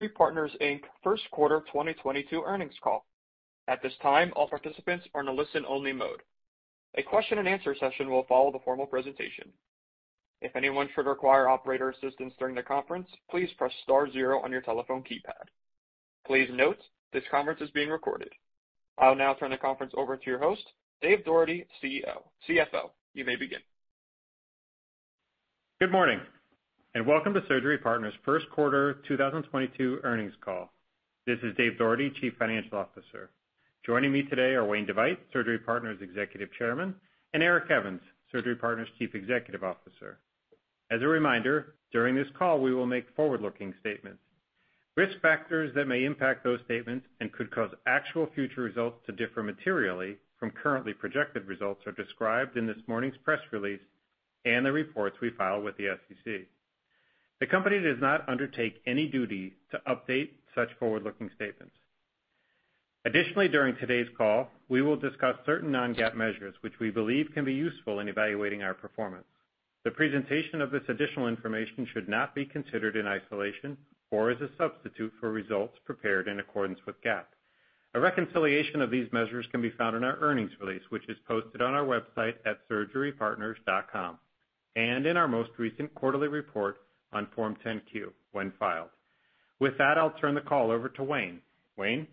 Surgery Partners, Inc. first quarter of 2022 earnings call. At this time, all participants are in a listen-only mode. A question-and-answer session will follow the formal presentation. If anyone should require operator assistance during the conference, please press star zero on your telephone keypad. Please note, this conference is being recorded. I'll now turn the conference over to your host, David T. Doherty, CFO. You may begin. Good morning, and welcome to Surgery Partners' first quarter 2022 earnings call. This is Dave Dougherty, Chief Financial Officer. Joining me today are Wayne DeVeydt, Surgery Partners' Executive Chairman, and Eric Evans, Surgery Partners' Chief Executive Officer. As a reminder, during this call we will make forward-looking statements. Risk factors that may impact those statements and could cause actual future results to differ materially from currently projected results are described in this morning's press release and the reports we file with the SEC. The company does not undertake any duty to update such forward-looking statements. Additionally, during today's call, we will discuss certain non-GAAP measures, which we believe can be useful in evaluating our performance. The presentation of this additional information should not be considered in isolation or as a substitute for results prepared in accordance with GAAP. A reconciliation of these measures can be found in our earnings release, which is posted on our website at surgerypartners.com, and in our most recent quarterly report on Form 10-Q, when filed. With that, I'll turn the call over to Wayne. Wayne?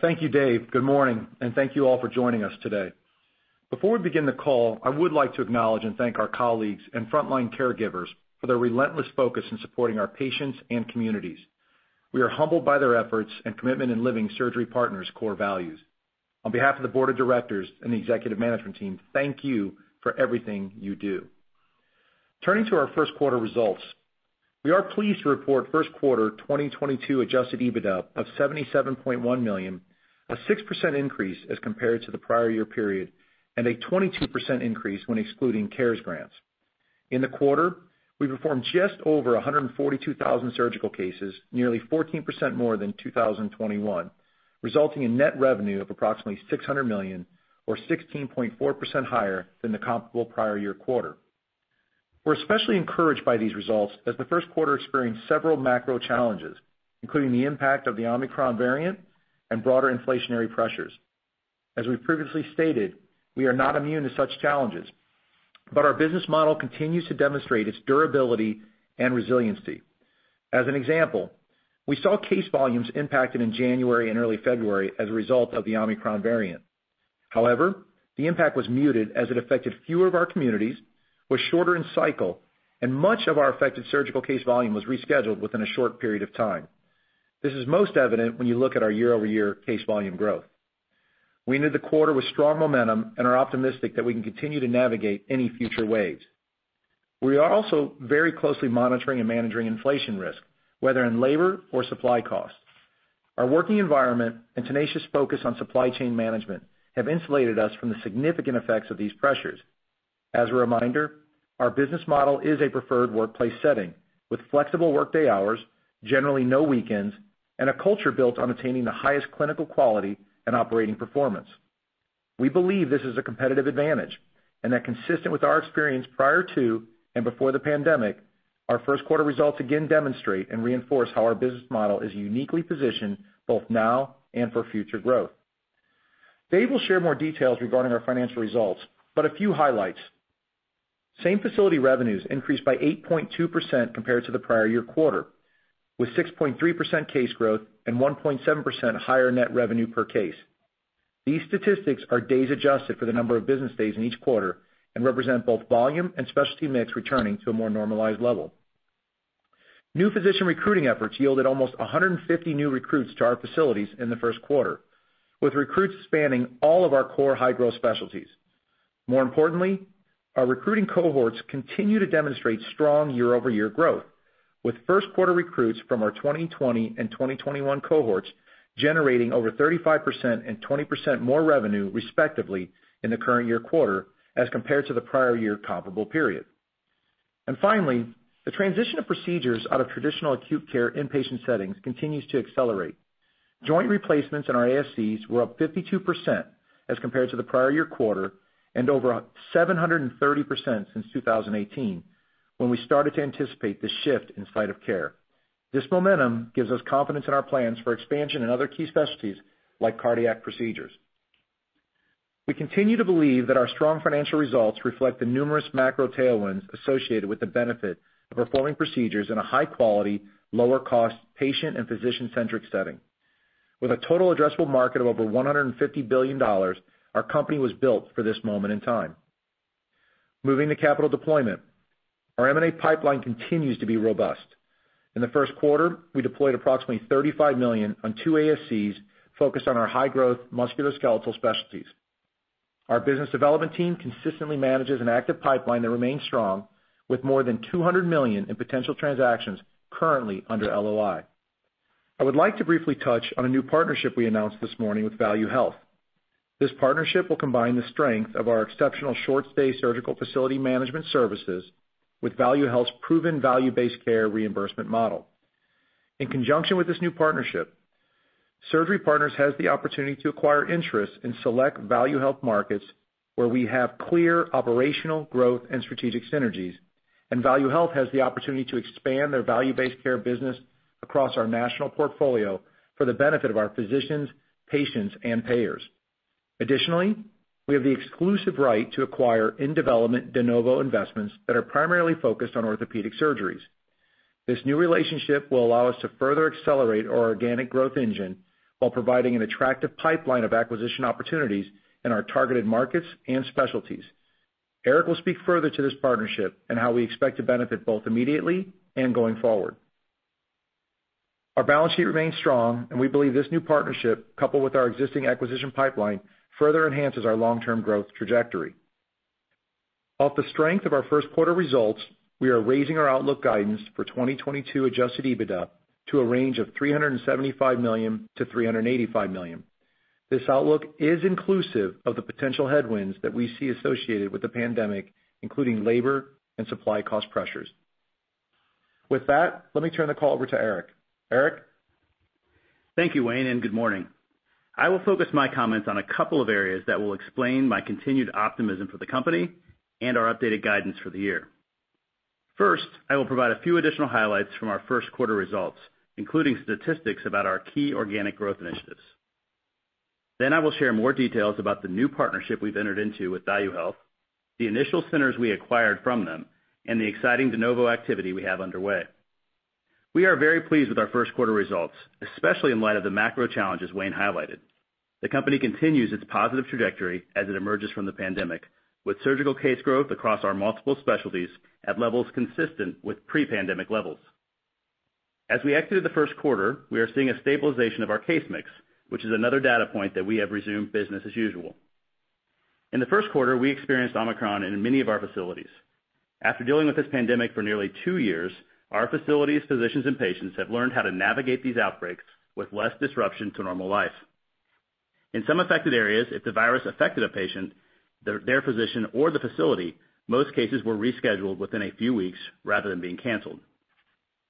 Thank you, Dave. Good morning, and thank you all for joining us today. Before we begin the call, I would like to acknowledge and thank our colleagues and frontline caregivers for their relentless focus in supporting our patients and communities. We are humbled by their efforts and commitment in living Surgery Partners' core values. On behalf of the board of directors and the executive management team, thank you for everything you do. Turning to our first quarter results, we are pleased to report first quarter 2022 adjusted EBITDA of $77.1 million, a 6% increase as compared to the prior year period, and a 22% increase when excluding CARES grants. In the quarter, we performed just over 142,000 surgical cases, nearly 14% more than 2021, resulting in net revenue of approximately $600 million or 16.4% higher than the comparable prior year quarter. We're especially encouraged by these results as the first quarter experienced several macro challenges, including the impact of the Omicron variant and broader inflationary pressures. As we've previously stated, we are not immune to such challenges, but our business model continues to demonstrate its durability and resiliency. As an example, we saw case volumes impacted in January and early February as a result of the Omicron variant. However, the impact was muted as it affected fewer of our communities, was shorter in cycle, and much of our affected surgical case volume was rescheduled within a short period of time. This is most evident when you look at our year-over-year case volume growth. We ended the quarter with strong momentum and are optimistic that we can continue to navigate any future waves. We are also very closely monitoring and managing inflation risk, whether in labor or supply costs. Our working environment and tenacious focus on supply chain management have insulated us from the significant effects of these pressures. As a reminder, our business model is a preferred workplace setting with flexible workday hours, generally no weekends, and a culture built on attaining the highest clinical quality and operating performance. We believe this is a competitive advantage, and that consistent with our experience prior to and before the pandemic, our first quarter results again demonstrate and reinforce how our business model is uniquely positioned both now and for future growth. Dave will share more details regarding our financial results, but a few highlights. Same facility revenues increased by 8.2% compared to the prior year quarter, with 6.3% case growth and 1.7% higher net revenue per case. These statistics are days adjusted for the number of business days in each quarter and represent both volume and specialty mix returning to a more normalized level. New physician recruiting efforts yielded almost 150 new recruits to our facilities in the first quarter, with recruits spanning all of our core high growth specialties. More importantly, our recruiting cohorts continue to demonstrate strong year-over-year growth with first quarter recruits from our 2020 and 2021 cohorts generating over 35% and 20% more revenue, respectively, in the current year quarter as compared to the prior year comparable period. Finally, the transition of procedures out of traditional acute care inpatient settings continues to accelerate. Joint replacements in our ASCs were up 52% as compared to the prior year quarter and over 730% since 2018, when we started to anticipate this shift in site of care. This momentum gives us confidence in our plans for expansion in other key specialties like cardiac procedures. We continue to believe that our strong financial results reflect the numerous macro tailwinds associated with the benefit of performing procedures in a high quality, lower cost patient and physician-centric setting. With a total addressable market of over $150 billion, our company was built for this moment in time. Moving to capital deployment. Our M&A pipeline continues to be robust. In the first quarter, we deployed approximately $35 million on two ASCs focused on our high growth musculoskeletal specialties. Our business development team consistently manages an active pipeline that remains strong with more than $200 million in potential transactions currently under LOI. I would like to briefly touch on a new partnership we announced this morning with ValueHealth. This partnership will combine the strength of our exceptional short stay surgical facility management services with ValueHealth's proven value-based care reimbursement model. In conjunction with this new partnership, Surgery Partners has the opportunity to acquire interest in select ValueHealth markets where we have clear operational growth and strategic synergies, and ValueHealth has the opportunity to expand their value-based care business across our national portfolio for the benefit of our physicians, patients, and payers. Additionally, we have the exclusive right to acquire in-development de novo investments that are primarily focused on orthopedic surgeries. This new relationship will allow us to further accelerate our organic growth engine while providing an attractive pipeline of acquisition opportunities in our targeted markets and specialties. Eric will speak further to this partnership and how we expect to benefit both immediately and going forward. Our balance sheet remains strong, and we believe this new partnership, coupled with our existing acquisition pipeline, further enhances our long-term growth trajectory. On the strength of our first quarter results, we are raising our outlook guidance for 2022 Adjusted EBITDA to a range of $375 million-$385 million. This outlook is inclusive of the potential headwinds that we see associated with the pandemic, including labor and supply cost pressures. With that, let me turn the call over to Eric. Eric? Thank you, Wayne, and good morning. I will focus my comments on a couple of areas that will explain my continued optimism for the company and our updated guidance for the year. First, I will provide a few additional highlights from our first quarter results, including statistics about our key organic growth initiatives. I will share more details about the new partnership we've entered into with ValueHealth, the initial centers we acquired from them, and the exciting de novo activity we have underway. We are very pleased with our first quarter results, especially in light of the macro challenges Wayne highlighted. The company continues its positive trajectory as it emerges from the pandemic, with surgical case growth across our multiple specialties at levels consistent with pre-pandemic levels. As we exited the first quarter, we are seeing a stabilization of our case mix, which is another data point that we have resumed business as usual. In the first quarter, we experienced Omicron in many of our facilities. After dealing with this pandemic for nearly two years, our facilities, physicians, and patients have learned how to navigate these outbreaks with less disruption to normal life. In some affected areas, if the virus affected a patient, their physician, or the facility, most cases were rescheduled within a few weeks rather than being canceled.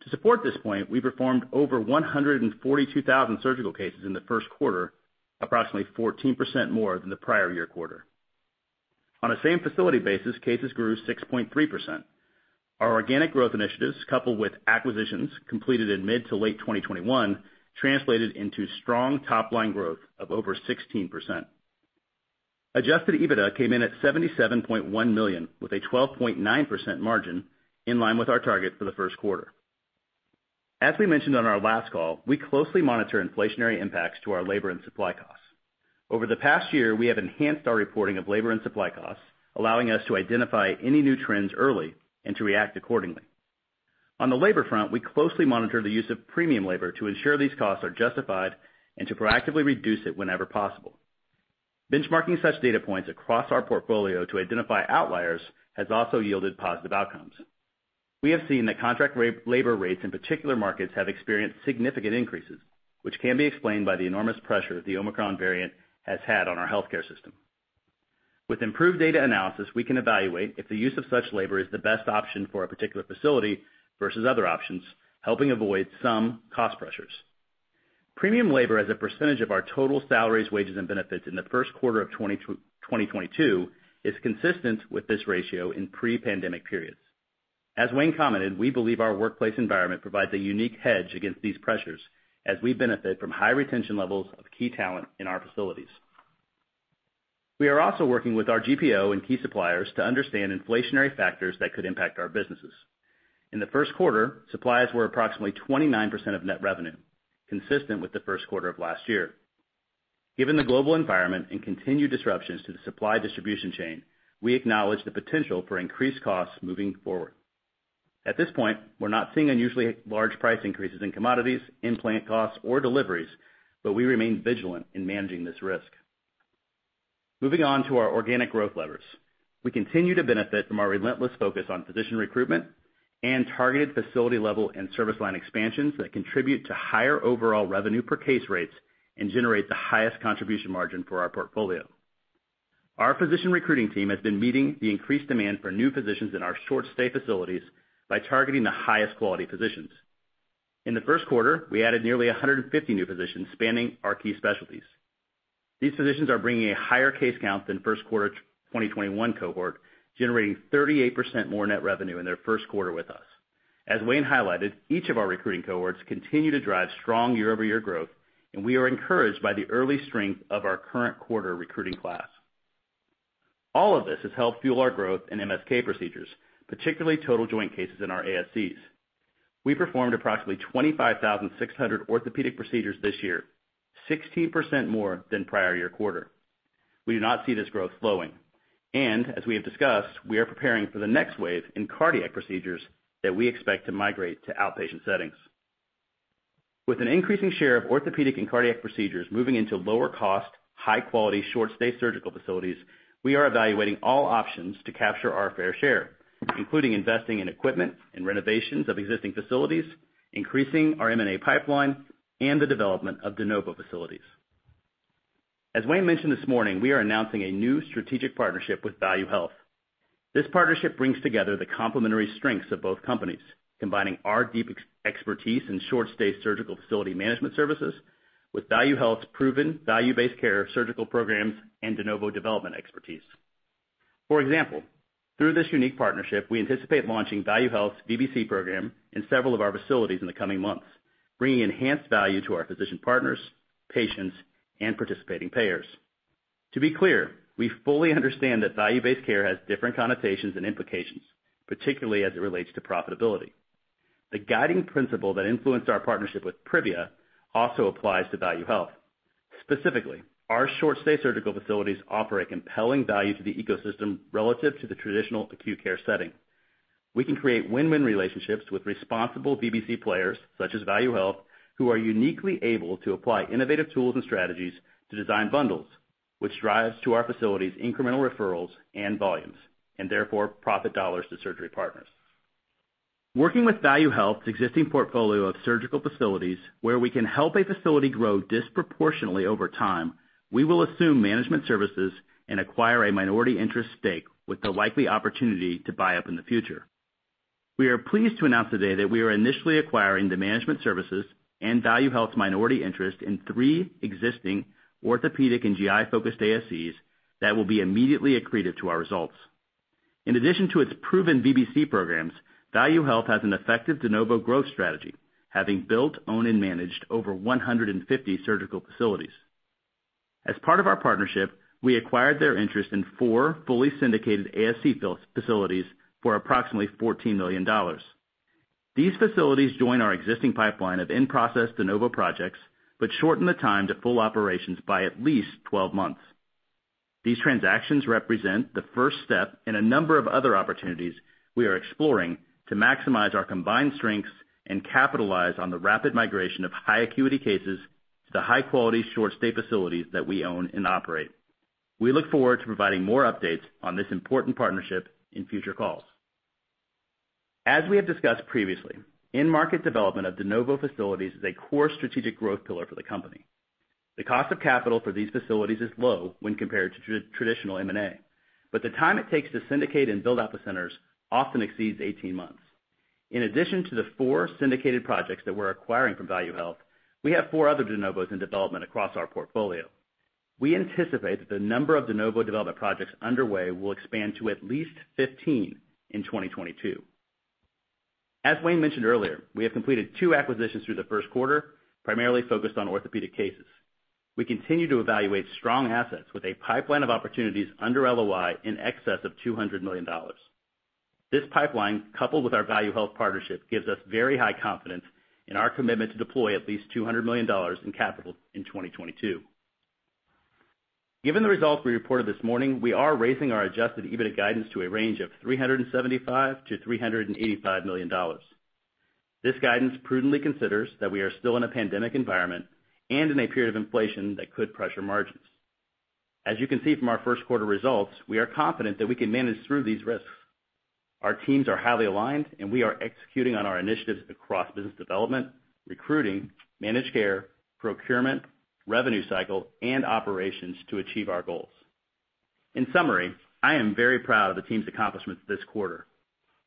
To support this point, we performed over 142,000 surgical cases in the first quarter, approximately 14% more than the prior year quarter. On a same facility basis, cases grew 6.3%. Our organic growth initiatives, coupled with acquisitions completed in mid- to late 2021, translated into strong top-line growth of over 16%. Adjusted EBITDA came in at $77.1 million with a 12.9% margin in line with our target for the first quarter. As we mentioned on our last call, we closely monitor inflationary impacts to our labor and supply costs. Over the past year, we have enhanced our reporting of labor and supply costs, allowing us to identify any new trends early and to react accordingly. On the labor front, we closely monitor the use of premium labor to ensure these costs are justified and to proactively reduce it whenever possible. Benchmarking such data points across our portfolio to identify outliers has also yielded positive outcomes. We have seen that labor rates in particular markets have experienced significant increases, which can be explained by the enormous pressure the Omicron variant has had on our healthcare system. With improved data analysis, we can evaluate if the use of such labor is the best option for a particular facility versus other options, helping avoid some cost pressures. Premium labor as a percentage of our total salaries, wages, and benefits in the first quarter of 2022 is consistent with this ratio in pre-pandemic periods. As Wayne commented, we believe our workplace environment provides a unique hedge against these pressures as we benefit from high retention levels of key talent in our facilities. We are also working with our GPO and key suppliers to understand inflationary factors that could impact our businesses. In the first quarter, suppliers were approximately 29% of net revenue, consistent with the first quarter of last year. Given the global environment and continued disruptions to the supply distribution chain, we acknowledge the potential for increased costs moving forward. At this point, we're not seeing unusually large price increases in commodities, implant costs, or deliveries, but we remain vigilant in managing this risk. Moving on to our organic growth levers. We continue to benefit from our relentless focus on physician recruitment and targeted facility level and service line expansions that contribute to higher overall revenue per case rates and generate the highest contribution margin for our portfolio. Our physician recruiting team has been meeting the increased demand for new physicians in our short stay facilities by targeting the highest quality physicians. In the first quarter, we added nearly 150 new physicians spanning our key specialties. These physicians are bringing a higher case count than first quarter 2021 cohort, generating 38% more net revenue in their first quarter with us. As Wayne highlighted, each of our recruiting cohorts continue to drive strong year-over-year growth, and we are encouraged by the early strength of our current quarter recruiting class. All of this has helped fuel our growth in MSK procedures, particularly total joint cases in our ASCs. We performed approximately 25,600 orthopedic procedures this year, 16% more than prior-year quarter. We do not see this growth slowing. As we have discussed, we are preparing for the next wave in cardiac procedures that we expect to migrate to outpatient settings. With an increasing share of orthopedic and cardiac procedures moving into lower cost, high quality, short stay surgical facilities, we are evaluating all options to capture our fair share, including investing in equipment and renovations of existing facilities, increasing our M&A pipeline, and the development of de novo facilities. As Wayne mentioned this morning, we are announcing a new strategic partnership with ValueHealth. This partnership brings together the complementary strengths of both companies, combining our deep expertise in short-stay surgical facility management services with ValueHealth's proven value-based care surgical programs and de novo development expertise. For example, through this unique partnership, we anticipate launching ValueHealth's VBC program in several of our facilities in the coming months, bringing enhanced value to our physician partners, patients, and participating payers. To be clear, we fully understand that value-based care has different connotations and implications, particularly as it relates to profitability. The guiding principle that influenced our partnership with Privia also applies to ValueHealth. Specifically, our short-stay surgical facilities offer a compelling value to the ecosystem relative to the traditional acute care setting. We can create win-win relationships with responsible VBC players, such as ValueHealth, who are uniquely able to apply innovative tools and strategies to design bundles, which drives to our facilities incremental referrals and volumes, and therefore profit dollars to Surgery Partners. Working with ValueHealth's existing portfolio of surgical facilities, where we can help a facility grow disproportionately over time, we will assume management services and acquire a minority interest stake with the likely opportunity to buy up in the future. We are pleased to announce today that we are initially acquiring the management services and ValueHealth's minority interest in three existing orthopedic and GI-focused ASCs that will be immediately accretive to our results. In addition to its proven VBC programs, ValueHealth has an effective de novo growth strategy, having built, owned, and managed over 150 surgical facilities. As part of our partnership, we acquired their interest in 4 fully syndicated ASC facilities for approximately $14 million. These facilities join our existing pipeline of in-process de novo projects, which shorten the time to full operations by at least 12 months. These transactions represent the first step in a number of other opportunities we are exploring to maximize our combined strengths and capitalize on the rapid migration of high acuity cases to high-quality short-stay facilities that we own and operate. We look forward to providing more updates on this important partnership in future calls. As we have discussed previously, in-market development of de novo facilities is a core strategic growth pillar for the company. The cost of capital for these facilities is low when compared to traditional M&A, but the time it takes to syndicate and build out the centers often exceeds 18 months. In addition to the four syndicated projects that we're acquiring from ValueHealth, we have four other de novos in development across our portfolio. We anticipate that the number of de novo development projects underway will expand to at least 15 in 2022. As Wayne mentioned earlier, we have completed two acquisitions through the first quarter, primarily focused on orthopedic cases. We continue to evaluate strong assets with a pipeline of opportunities under LOI in excess of $200 million. This pipeline, coupled with our ValueHealth partnership, gives us very high confidence in our commitment to deploy at least $200 million in capital in 2022. Given the results we reported this morning, we are raising our Adjusted EBITDA guidance to a range of $375 million-$385 million. This guidance prudently considers that we are still in a pandemic environment and in a period of inflation that could pressure margins. As you can see from our first quarter results, we are confident that we can manage through these risks. Our teams are highly aligned, and we are executing on our initiatives across business development, recruiting, managed care, procurement, revenue cycle, and operations to achieve our goals. In summary, I am very proud of the team's accomplishments this quarter.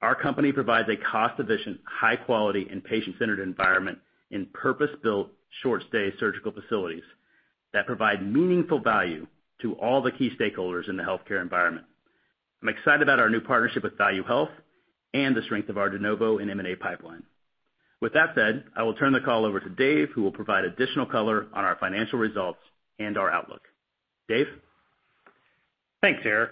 Our company provides a cost-efficient, high quality, and patient-centered environment in purpose-built short-stay surgical facilities that provide meaningful value to all the key stakeholders in the healthcare environment. I'm excited about our new partnership with ValueHealth and the strength of our de novo and M&A pipeline. With that said, I will turn the call over to Dave, who will provide additional color on our financial results and our outlook. Dave? Thanks, Eric.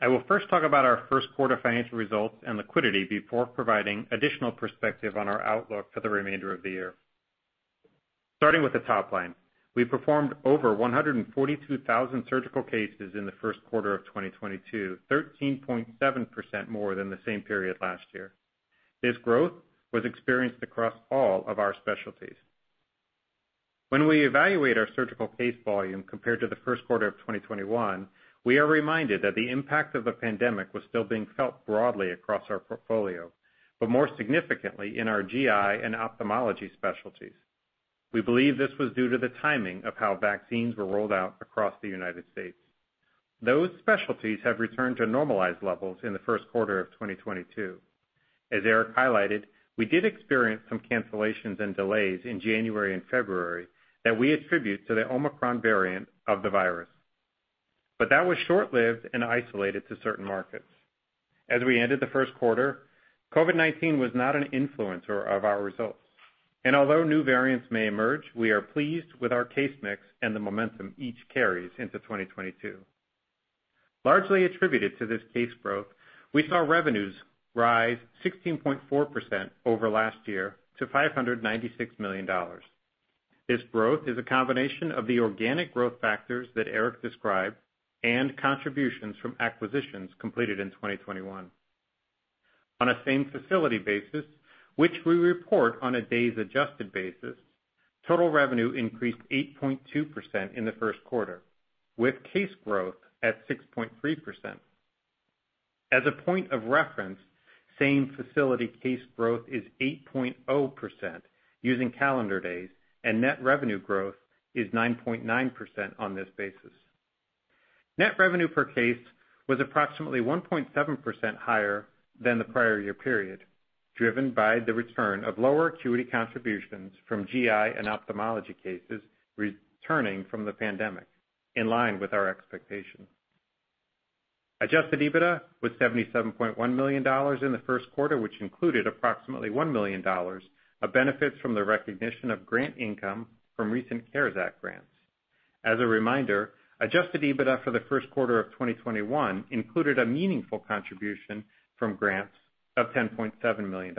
I will first talk about our first quarter financial results and liquidity before providing additional perspective on our outlook for the remainder of the year. Starting with the top line, we performed over 142,000 surgical cases in the first quarter of 2022, 13.7% more than the same period last year. This growth was experienced across all of our specialties. When we evaluate our surgical case volume compared to the first quarter of 2021, we are reminded that the impact of the pandemic was still being felt broadly across our portfolio, but more significantly in our GI and ophthalmology specialties. We believe this was due to the timing of how vaccines were rolled out across the United States. Those specialties have returned to normalized levels in the first quarter of 2022. As Eric highlighted, we did experience some cancellations and delays in January and February that we attribute to the Omicron variant of the virus. That was short-lived and isolated to certain markets. As we ended the first quarter, COVID-19 was not an influencer of our results. Although new variants may emerge, we are pleased with our case mix and the momentum each carries into 2022. Largely attributed to this case growth, we saw revenues rise 16.4% over last year to $596 million. This growth is a combination of the organic growth factors that Eric described and contributions from acquisitions completed in 2021. On a same-facility basis, which we report on a days adjusted basis, total revenue increased 8.2% in the first quarter, with case growth at 6.3%. As a point of reference, same facility case growth is 8.0% using calendar days, and net revenue growth is 9.9% on this basis. Net revenue per case was approximately 1.7% higher than the prior year period, driven by the return of lower acuity contributions from GI and ophthalmology cases returning from the pandemic, in line with our expectations. Adjusted EBITDA was $77.1 million in the first quarter, which included approximately $1 million of benefits from the recognition of grant income from recent CARES Act grants. As a reminder, Adjusted EBITDA for the first quarter of 2021 included a meaningful contribution from grants of $10.7 million.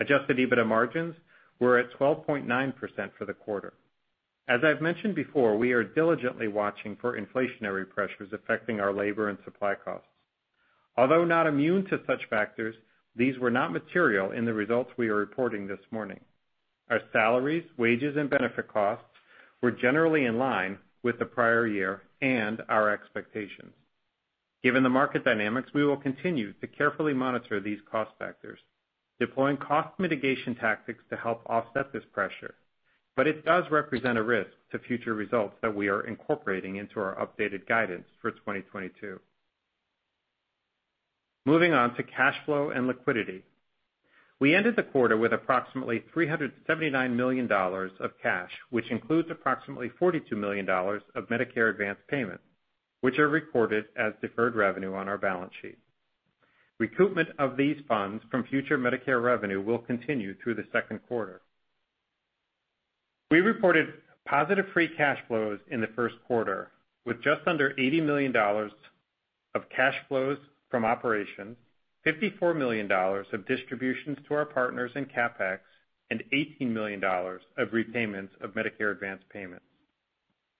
Adjusted EBITDA margins were at 12.9% for the quarter. As I've mentioned before, we are diligently watching for inflationary pressures affecting our labor and supply costs. Although not immune to such factors, these were not material in the results we are reporting this morning. Our salaries, wages, and benefit costs were generally in line with the prior year and our expectations. Given the market dynamics, we will continue to carefully monitor these cost factors, deploying cost mitigation tactics to help offset this pressure, but it does represent a risk to future results that we are incorporating into our updated guidance for 2022. Moving on to cash flow and liquidity. We ended the quarter with approximately $379 million of cash, which includes approximately $42 million of Medicare advanced payment, which are recorded as deferred revenue on our balance sheet. Recoupment of these funds from future Medicare revenue will continue through the second quarter. We reported positive free cash flows in the first quarter, with just under $80 million of cash flows from operations, $54 million of distributions to our partners in CapEx, and $18 million of repayments of Medicare advanced payments.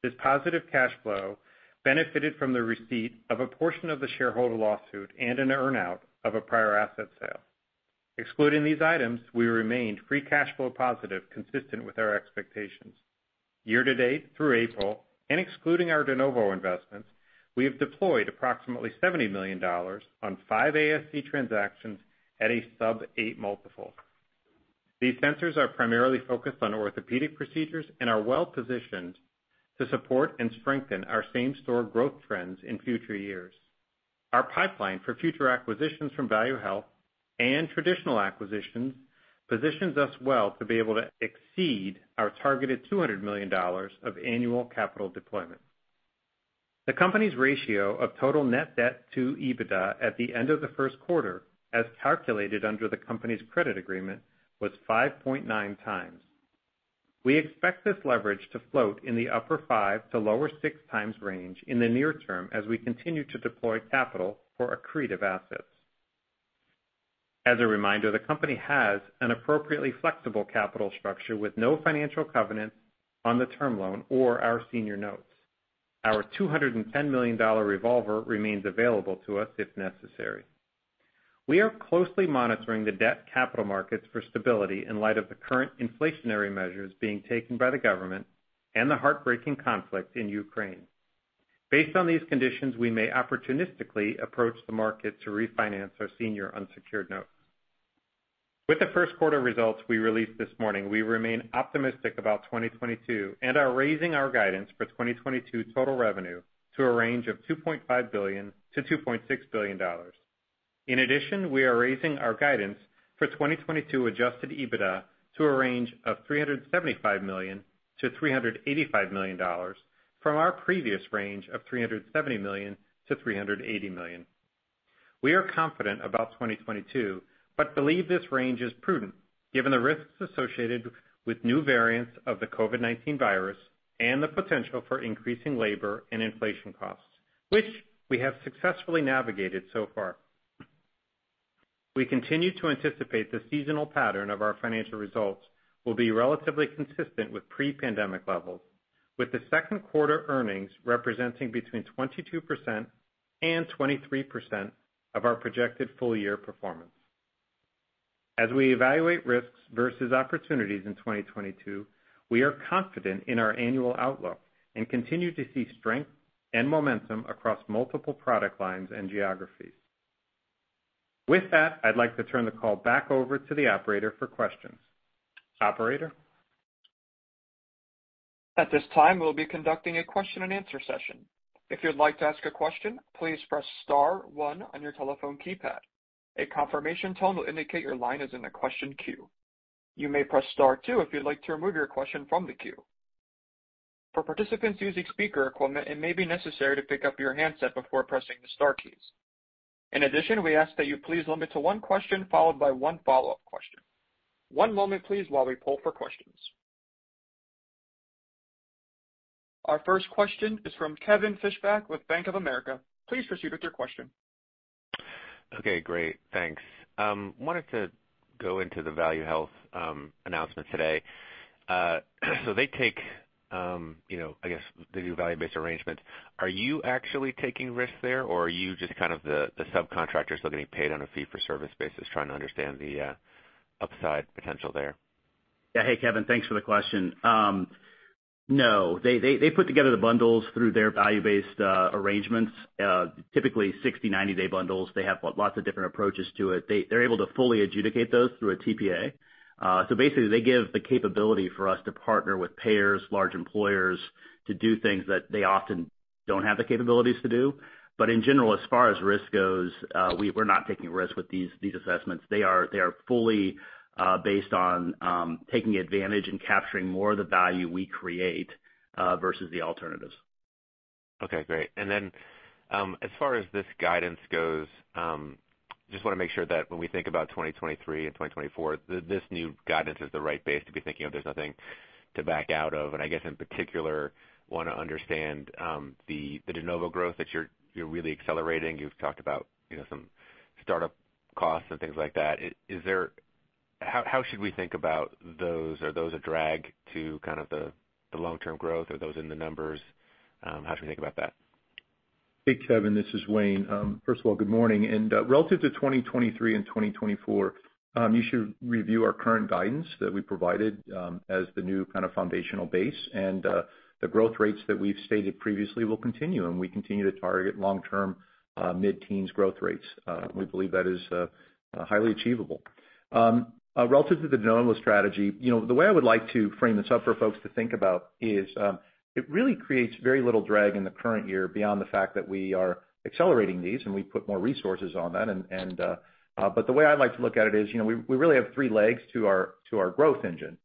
This positive cash flow benefited from the receipt of a portion of the shareholder lawsuit and an earn-out of a prior asset sale. Excluding these items, we remained free cash flow positive, consistent with our expectations. Year to date through April, and excluding our de novo investments, we have deployed approximately $70 million on 5 ASC transactions at a sub-8x multiple. These centers are primarily focused on orthopedic procedures and are well positioned to support and strengthen our same store growth trends in future years. Our pipeline for future acquisitions from ValueHealth and traditional acquisitions positions us well to be able to exceed our targeted $200 million of annual capital deployment. The company's ratio of total net debt to EBITDA at the end of the first quarter, as calculated under the company's credit agreement, was 5.9 times. We expect this leverage to float in the upper 5 to lower 6 times range in the near term as we continue to deploy capital for accretive assets. As a reminder, the company has an appropriately flexible capital structure with no financial covenants on the term loan or our senior notes. Our $210 million revolver remains available to us if necessary. We are closely monitoring the debt capital markets for stability in light of the current inflationary measures being taken by the government and the heartbreaking conflict in Ukraine. Based on these conditions, we may opportunistically approach the market to refinance our senior unsecured notes. With the first quarter results we released this morning, we remain optimistic about 2022 and are raising our guidance for 2022 total revenue to a range of $2.5 billion-$2.6 billion. In addition, we are raising our guidance for 2022 Adjusted EBITDA to a range of $375 million-$385 million from our previous range of $370 million-$380 million. We are confident about 2022, but believe this range is prudent given the risks associated with new variants of the COVID-19 virus and the potential for increasing labor and inflation costs, which we have successfully navigated so far. We continue to anticipate the seasonal pattern of our financial results will be relatively consistent with pre-pandemic levels, with the second quarter earnings representing between 22% and 23% of our projected full year performance. As we evaluate risks versus opportunities in 2022, we are confident in our annual outlook and continue to see strength and momentum across multiple product lines and geographies. With that, I'd like to turn the call back over to the operator for questions. Operator? At this time, we'll be conducting a question-and-answer session. If you'd like to ask a question, please press star one on your telephone keypad. A confirmation tone will indicate your line is in the question queue. You may press Star two if you'd like to remove your question from the queue. For participants using speaker equipment, it may be necessary to pick up your handset before pressing the star keys. In addition, we ask that you please limit to one question followed by one follow-up question. One moment please while we poll for questions. Our first question is from Kevin Fischbeck with Bank of America. Please proceed with your question. Okay, great. Thanks. Wanted to go into the ValueHealth announcement today. They take, you know, I guess they do value-based arrangement. Are you actually taking risks there, or are you just kind of the subcontractor still getting paid on a fee-for-service basis trying to understand the upside potential there? Yeah. Hey, Kevin. Thanks for the question. No, they put together the bundles through their value-based arrangements, typically 60-, 90-day bundles. They have lots of different approaches to it. They're able to fully adjudicate those through a TPA. Basically, they give the capability for us to partner with payers, large employers to do things that they often don't have the capabilities to do. In general, as far as risk goes, we're not taking risks with these assessments. They are fully based on taking advantage and capturing more of the value we create versus the alternatives. Okay, great. As far as this guidance goes, just wanna make sure that when we think about 2023 and 2024, this new guidance is the right base to be thinking of. There's nothing to back out of. I guess, in particular, wanna understand the de novo growth that you're really accelerating. You've talked about, you know, some startup costs and things like that. Is there? How should we think about those? Are those a drag to kind of the long-term growth? Are those in the numbers? How should we think about that? Hey, Kevin, this is Wayne. First of all, good morning. Relative to 2023 and 2024, you should review our current guidance that we provided, as the new kind of foundational base. The growth rates that we've stated previously will continue, and we continue to target long-term, mid-teens growth rates. We believe that is highly achievable. Relative to the de novo strategy, you know, the way I would like to frame this up for folks to think about is, it really creates very little drag in the current year beyond the fact that we are accelerating these, and we put more resources on that. But the way I like to look at it is, you know, we really have three legs to our growth engine.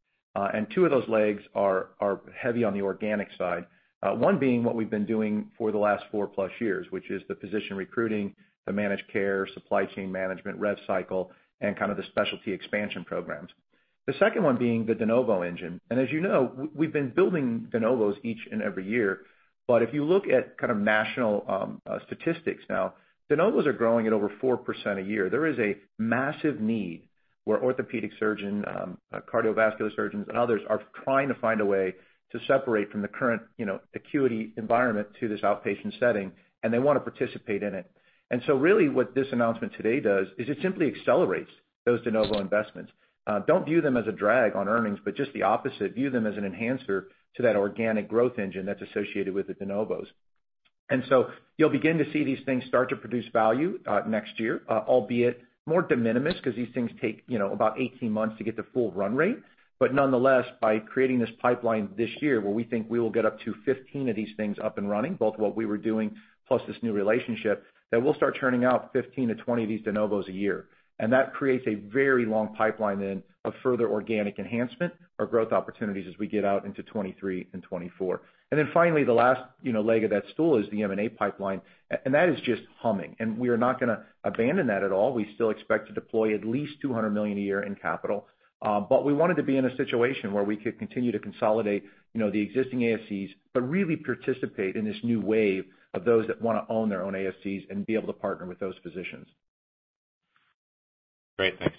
Two of those legs are heavy on the organic side. One being what we've been doing for the last 4-plus years, which is the physician recruiting, the managed care, supply chain management, rev cycle, and kind of the specialty expansion programs. The second one being the de novo engine. As you know, we've been building de novos each and every year. But if you look at kind of national statistics now, de novos are growing at over 4% a year. There is a massive need where orthopedic surgeon, cardiovascular surgeons and others are trying to find a way to separate from the current, you know, acuity environment to this outpatient setting, and they wanna participate in it. Really what this announcement today does is it simply accelerates those de novo investments. Don't view them as a drag on earnings, but just the opposite. View them as an enhancer to that organic growth engine that's associated with the de novos. You'll begin to see these things start to produce value next year, albeit more de minimis because these things take, you know, about 18 months to get to full run rate. Nonetheless, by creating this pipeline this year, where we think we will get up to 15 of these things up and running, both what we were doing plus this new relationship, that we'll start churning out 15-20 of these de novos a year. That creates a very long pipeline then of further organic enhancement or growth opportunities as we get out into 2023 and 2024. Then finally, the last, you know, leg of that stool is the M&A pipeline, and that is just humming. We are not gonna abandon that at all. We still expect to deploy at least $200 million a year in capital. We wanted to be in a situation where we could continue to consolidate, you know, the existing ASCs, but really participate in this new wave of those that wanna own their own ASCs and be able to partner with those physicians. Great. Thanks.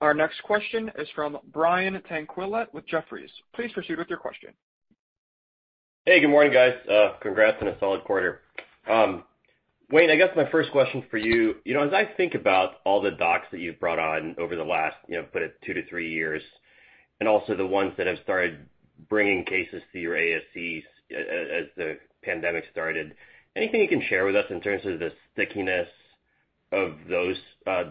Our next question is from Brian Tanquilut with Jefferies. Please proceed with your question. Hey, good morning, guys. Congrats on a solid quarter. Wayne, I guess my first question for you know, as I think about all the docs that you've brought on over the last, you know, put it two to three years, and also the ones that have started bringing cases to your ASCs as the pandemic started, anything you can share with us in terms of the stickiness of those,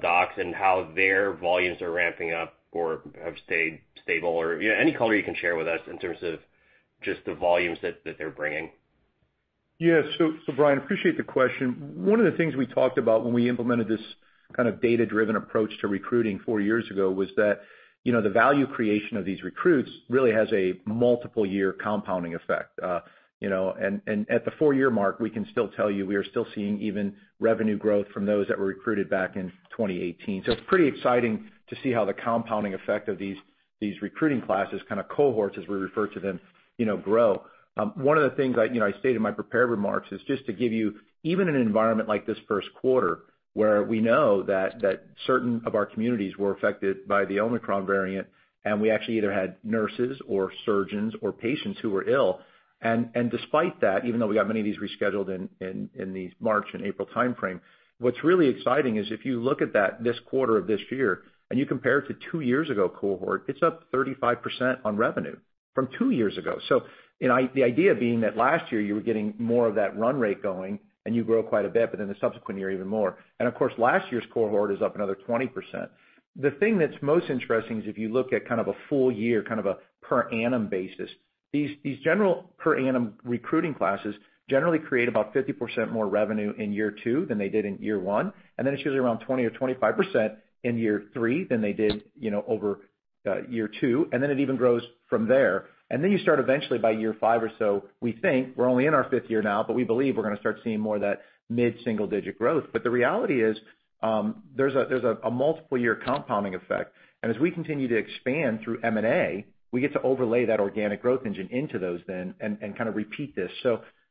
docs and how their volumes are ramping up or have stayed stable? Or, you know, any color you can share with us in terms of just the volumes that they're bringing? Yeah. So Brian, appreciate the question. One of the things we talked about when we implemented this kind of data-driven approach to recruiting four years ago was that, you know, the value creation of these recruits really has a multiple year compounding effect, you know. At the four-year mark, we can still tell you we are still seeing even revenue growth from those that were recruited back in 2018. It's pretty exciting to see how the compounding effect of these recruiting classes, kind of cohorts, as we refer to them, you know, grow. One of the things I, you know, I stated in my prepared remarks is just to give you even an environment like this first quarter, where we know that certain of our communities were affected by the Omicron variant, and we actually either had nurses or surgeons or patients who were ill. Despite that, even though we got many of these rescheduled in the March and April timeframe, what's really exciting is if you look at that this quarter of this year and you compare it to two years ago cohort, it's up 35% on revenue from two years ago. The idea being that last year you were getting more of that run rate going and you grow quite a bit, but in the subsequent year even more. Of course, last year's cohort is up another 20%. The thing that's most interesting is if you look at kind of a full year, kind of a per annum basis, these general per annum recruiting classes generally create about 50% more revenue in year two than they did in year one. It's usually around 20 or 25% in year three than they did, you know, over year two. It even grows from there. You start eventually by year 5 or so, we think, we're only in our 5th year now, but we believe we're gonna start seeing more of that mid-single digit growth. The reality is, there's a multiple year compounding effect. As we continue to expand through M&A, we get to overlay that organic growth engine into those then and kind of repeat this.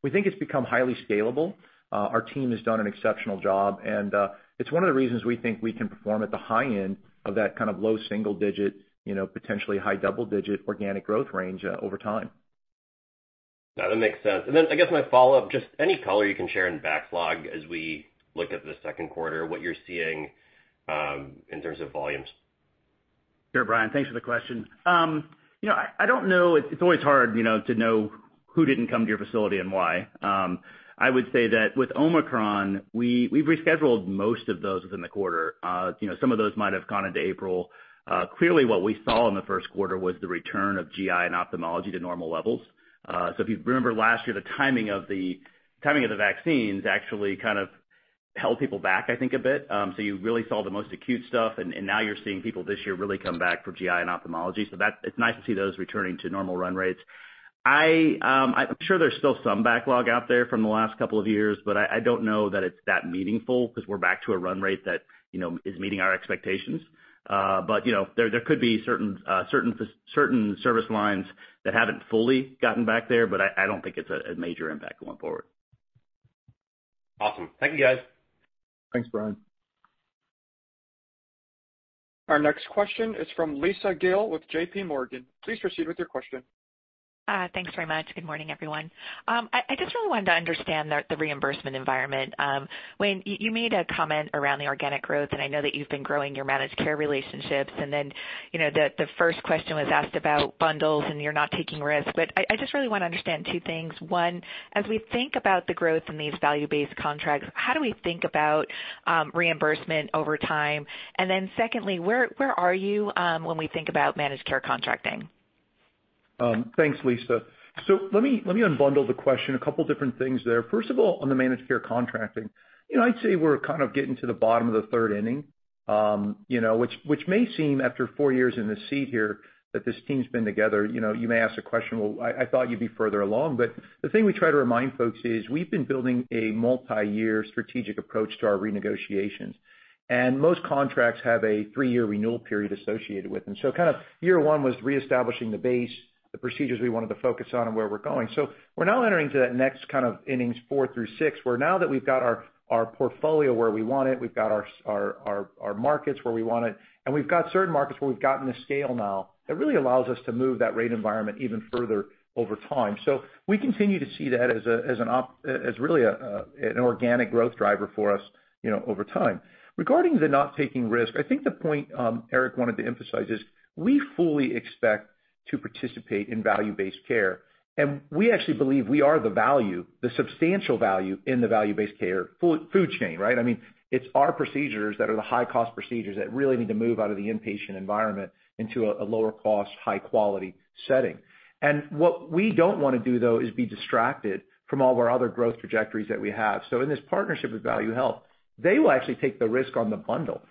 We think it's become highly scalable. Our team has done an exceptional job, and it's one of the reasons we think we can perform at the high end of that kind of low single-digit, you know, potentially high double-digit organic growth range over time. That makes sense. Then I guess my follow-up, just any color you can share in backlog as we look at the second quarter, what you're seeing in terms of volumes? Sure, Brian, thanks for the question. You know, I don't know. It's always hard, you know, to know who didn't come to your facility and why. I would say that with Omicron, we've rescheduled most of those within the quarter. You know, some of those might have gone into April. Clearly what we saw in the first quarter was the return of GI and ophthalmology to normal levels. So if you remember last year, the timing of the vaccines actually kind of held people back, I think, a bit. So you really saw the most acute stuff and now you're seeing people this year really come back for GI and ophthalmology. So that's. It's nice to see those returning to normal run rates. I'm sure there's still some backlog out there from the last couple of years, but I don't know that it's that meaningful because we're back to a run rate that, you know, is meeting our expectations. You know, there could be certain service lines that haven't fully gotten back there, but I don't think it's a major impact going forward. Awesome. Thank you, guys. Thanks, Brian. Our next question is from Lisa Gill with JPMorgan. Please proceed with your question. Thanks very much. Good morning, everyone. I just really wanted to understand the reimbursement environment. Wayne, you made a comment around the organic growth, and I know that you've been growing your managed care relationships. Then, you know, the first question was asked about bundles and you're not taking risks. I just really wanna understand two things. One, as we think about the growth in these value-based contracts, how do we think about reimbursement over time? Then secondly, where are you when we think about managed care contracting? Thanks, Lisa. Let me unbundle the question, a couple different things there. First of all, on the managed care contracting, you know, I'd say we're kind of getting to the bottom of the third inning, you know, which may seem after four years in the seat here that this team's been together. You know, you may ask the question, "Well, I thought you'd be further along." But the thing we try to remind folks is we've been building a multi-year strategic approach to our renegotiations, and most contracts have a three-year renewal period associated with them. Kind of year one was reestablishing the base, the procedures we wanted to focus on and where we're going. We're now entering into that next kind of innings four through six, where now that we've got our portfolio where we want it, we've got our markets where we want it, and we've got certain markets where we've gotten the scale now that really allows us to move that rate environment even further over time. We continue to see that as really an organic growth driver for us, you know, over time. Regarding the not taking risk, I think the point Eric wanted to emphasize is we fully expect to participate in value-based care, and we actually believe we are the value, the substantial value in the value-based care food chain, right? I mean, it's our procedures that are the high cost procedures that really need to move out of the inpatient environment into a lower cost, high quality setting. What we don't wanna do, though, is be distracted from all of our other growth trajectories that we have. In this partnership with ValueHealth, they will actually take the risk on the bundle.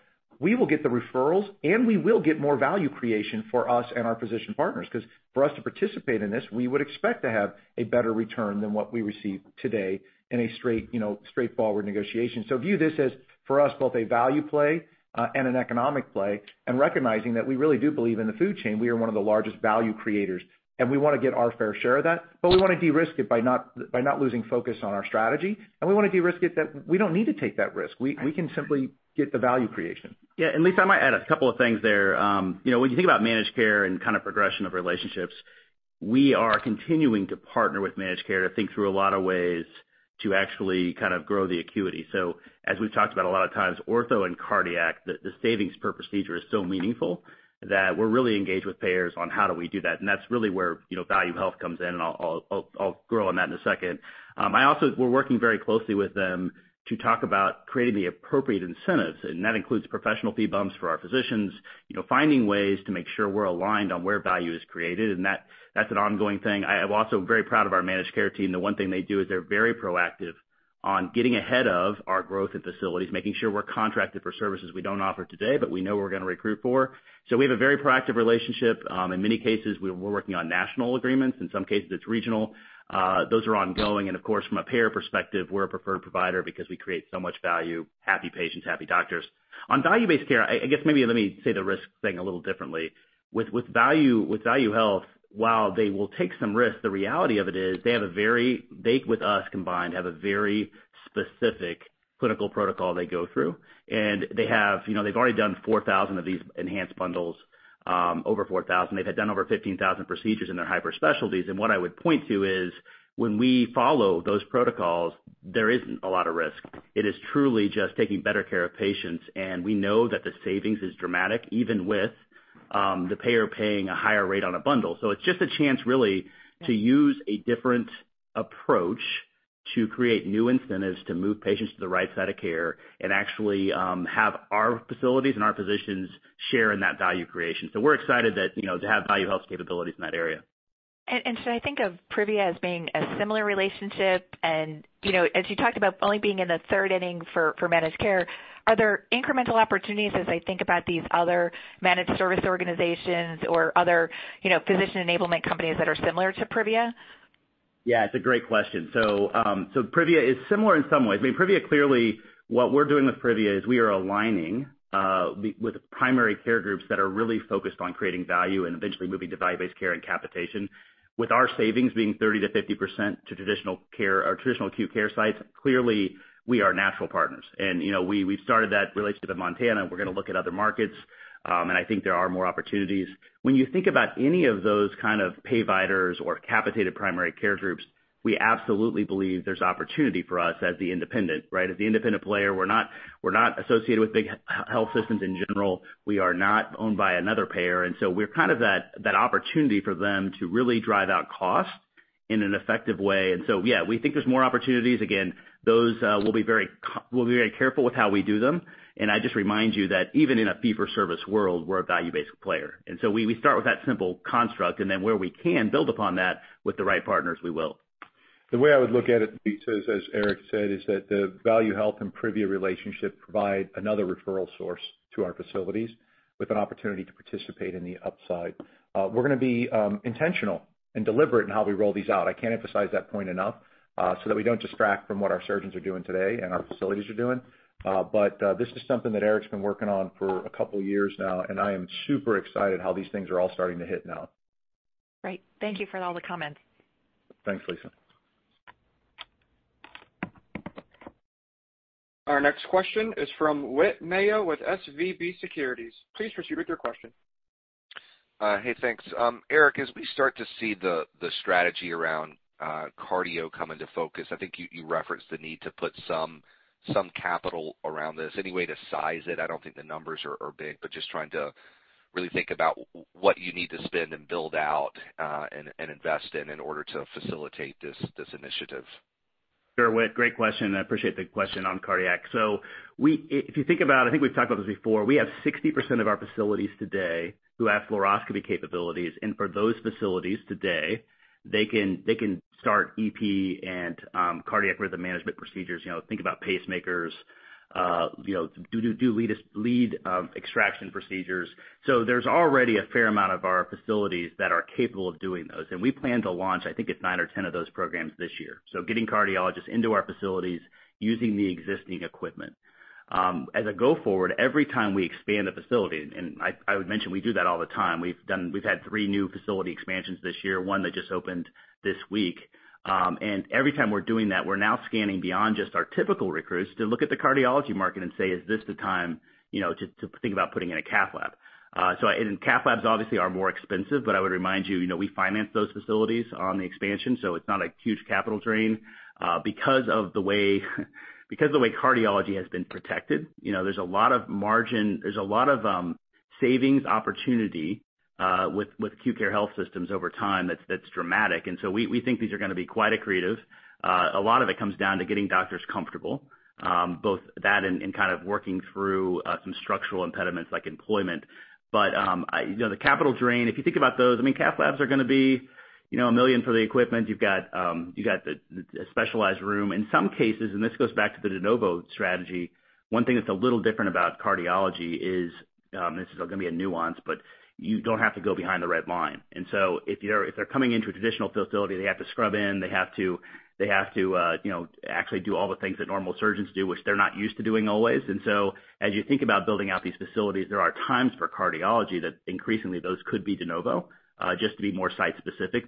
We will get the referrals, and we will get more value creation for us and our physician partners. 'Cause for us to participate in this, we would expect to have a better return than what we receive today in a straight, you know, straightforward negotiation. View this as, for us, both a value play, and an economic play, and recognizing that we really do believe in the value chain, we are one of the largest value creators, and we wanna get our fair share of that, but we wanna de-risk it by not losing focus on our strategy, and we wanna de-risk it that we don't need to take that risk. We can simply get the value creation. Yeah. Lisa, I might add a couple of things there. You know, when you think about managed care and kind of progression of relationships, we are continuing to partner with managed care to think through a lot of ways to actually kind of grow the acuity. As we've talked about a lot of times, ortho and cardiac, the savings per procedure is so meaningful that we're really engaged with payers on how do we do that. That's really where, you know, ValueHealth comes in, and I'll grow on that in a second. We're working very closely with them to talk about creating the appropriate incentives, and that includes professional fee bumps for our physicians, you know, finding ways to make sure we're aligned on where value is created and that's an ongoing thing. I am also very proud of our managed care team. The one thing they do is they're very proactive on getting ahead of our growth at facilities, making sure we're contracted for services we don't offer today, but we know we're gonna recruit for. We have a very proactive relationship. In many cases, we're working on national agreements. In some cases, it's regional. Those are ongoing. Of course, from a payer perspective, we're a preferred provider because we create so much value, happy patients, happy doctors. On value-based care, I guess maybe let me say the risk thing a little differently. With ValueHealth, while they will take some risks, the reality of it is they with us combined have a very specific clinical protocol they go through. They have, you know, they've already done 4,000 of these enhanced bundles, over 4,000. They've done over 15,000 procedures in their hyper-specialties. What I would point to is when we follow those protocols, there isn't a lot of risk. It is truly just taking better care of patients, and we know that the savings is dramatic, even with the payer paying a higher rate on a bundle. It's just a chance really to use a different approach to create new incentives to move patients to the right side of care and actually have our facilities and our physicians share in that value creation. We're excited that, you know, to have ValueHealth's capabilities in that area. should I think of Privia as being a similar relationship? You know, as you talked about only being in the third inning for managed care, are there incremental opportunities as I think about these other managed service organizations or other, you know, physician enablement companies that are similar to Privia? Yeah, it's a great question. Privia is similar in some ways. I mean, Privia clearly, what we're doing with Privia is we are aligning with the primary care groups that are really focused on creating value and eventually moving to value-based care and capitation. With our savings being 30%-50% to traditional care or traditional acute care sites, clearly we are natural partners. You know, we started that relationship in Montana. We're gonna look at other markets. I think there are more opportunities. When you think about any of those kind of payviders or capitated primary care groups, we absolutely believe there's opportunity for us as the independent, right? As the independent player, we're not associated with big health systems in general. We are not owned by another payer, and so we're kind of that opportunity for them to really drive out costs in an effective way. Yeah, we think there's more opportunities. Again, those, we'll be very careful with how we do them. I just remind you that even in a fee-for-service world, we're a value-based player. We start with that simple construct, and then where we can build upon that with the right partners, we will. The way I would look at it, Lisa, as Eric said, is that the ValueHealth and Privia relationship provide another referral source to our facilities with an opportunity to participate in the upside. We're gonna be intentional and deliberate in how we roll these out, I can't emphasize that point enough, so that we don't distract from what our surgeons are doing today and our facilities are doing. This is something that Eric's been working on for a couple years now, and I am super excited how these things are all starting to hit now. Great. Thank you for all the comments. Thanks, Lisa. Our next question is from Whit Mayo with SVB Securities. Please proceed with your question. Hey, thanks. Eric, as we start to see the strategy around cardio come into focus, I think you referenced the need to put some capital around this. Any way to size it? I don't think the numbers are big, but just trying to really think about what you need to spend and build out, and invest in order to facilitate this initiative. Sure, Whit. Great question. I appreciate the question on cardiac. If you think about, I think we've talked about this before, we have 60% of our facilities today who have fluoroscopy capabilities. For those facilities today, they can start EP and cardiac rhythm management procedures. You know, think about pacemakers, you know, lead extraction procedures. There's already a fair amount of our facilities that are capable of doing those. We plan to launch, I think, 9 or 10 of those programs this year. Getting cardiologists into our facilities using the existing equipment. As I go forward, every time we expand a facility, I would mention we do that all the time. We've had 3 new facility expansions this year, one that just opened this week. Every time we're doing that, we're now scanning beyond just our typical recruits to look at the cardiology market and say, "Is this the time, you know, to think about putting in a cath lab?" Cath labs obviously are more expensive, but I would remind you know, we finance those facilities on the expansion, so it's not a huge capital drain. Because of the way cardiology has been protected, you know, there's a lot of margin, there's a lot of savings opportunity with acute care health systems over time that's dramatic. We think these are gonna be quite accretive. A lot of it comes down to getting doctors comfortable both that and kind of working through some structural impediments like employment. You know, the capital drain, if you think about those, I mean, cath labs are gonna be, you know, $1 million for the equipment. You've got the specialized room. In some cases, this goes back to the de novo strategy, one thing that's a little different about cardiology is, this is gonna be a nuance, but you don't have to go behind the red line. If they're coming into a traditional facility, they have to scrub in, they have to actually do all the things that normal surgeons do, which they're not used to doing always. As you think about building out these facilities, there are times for cardiology that increasingly those could be de novo, just to be more site specific.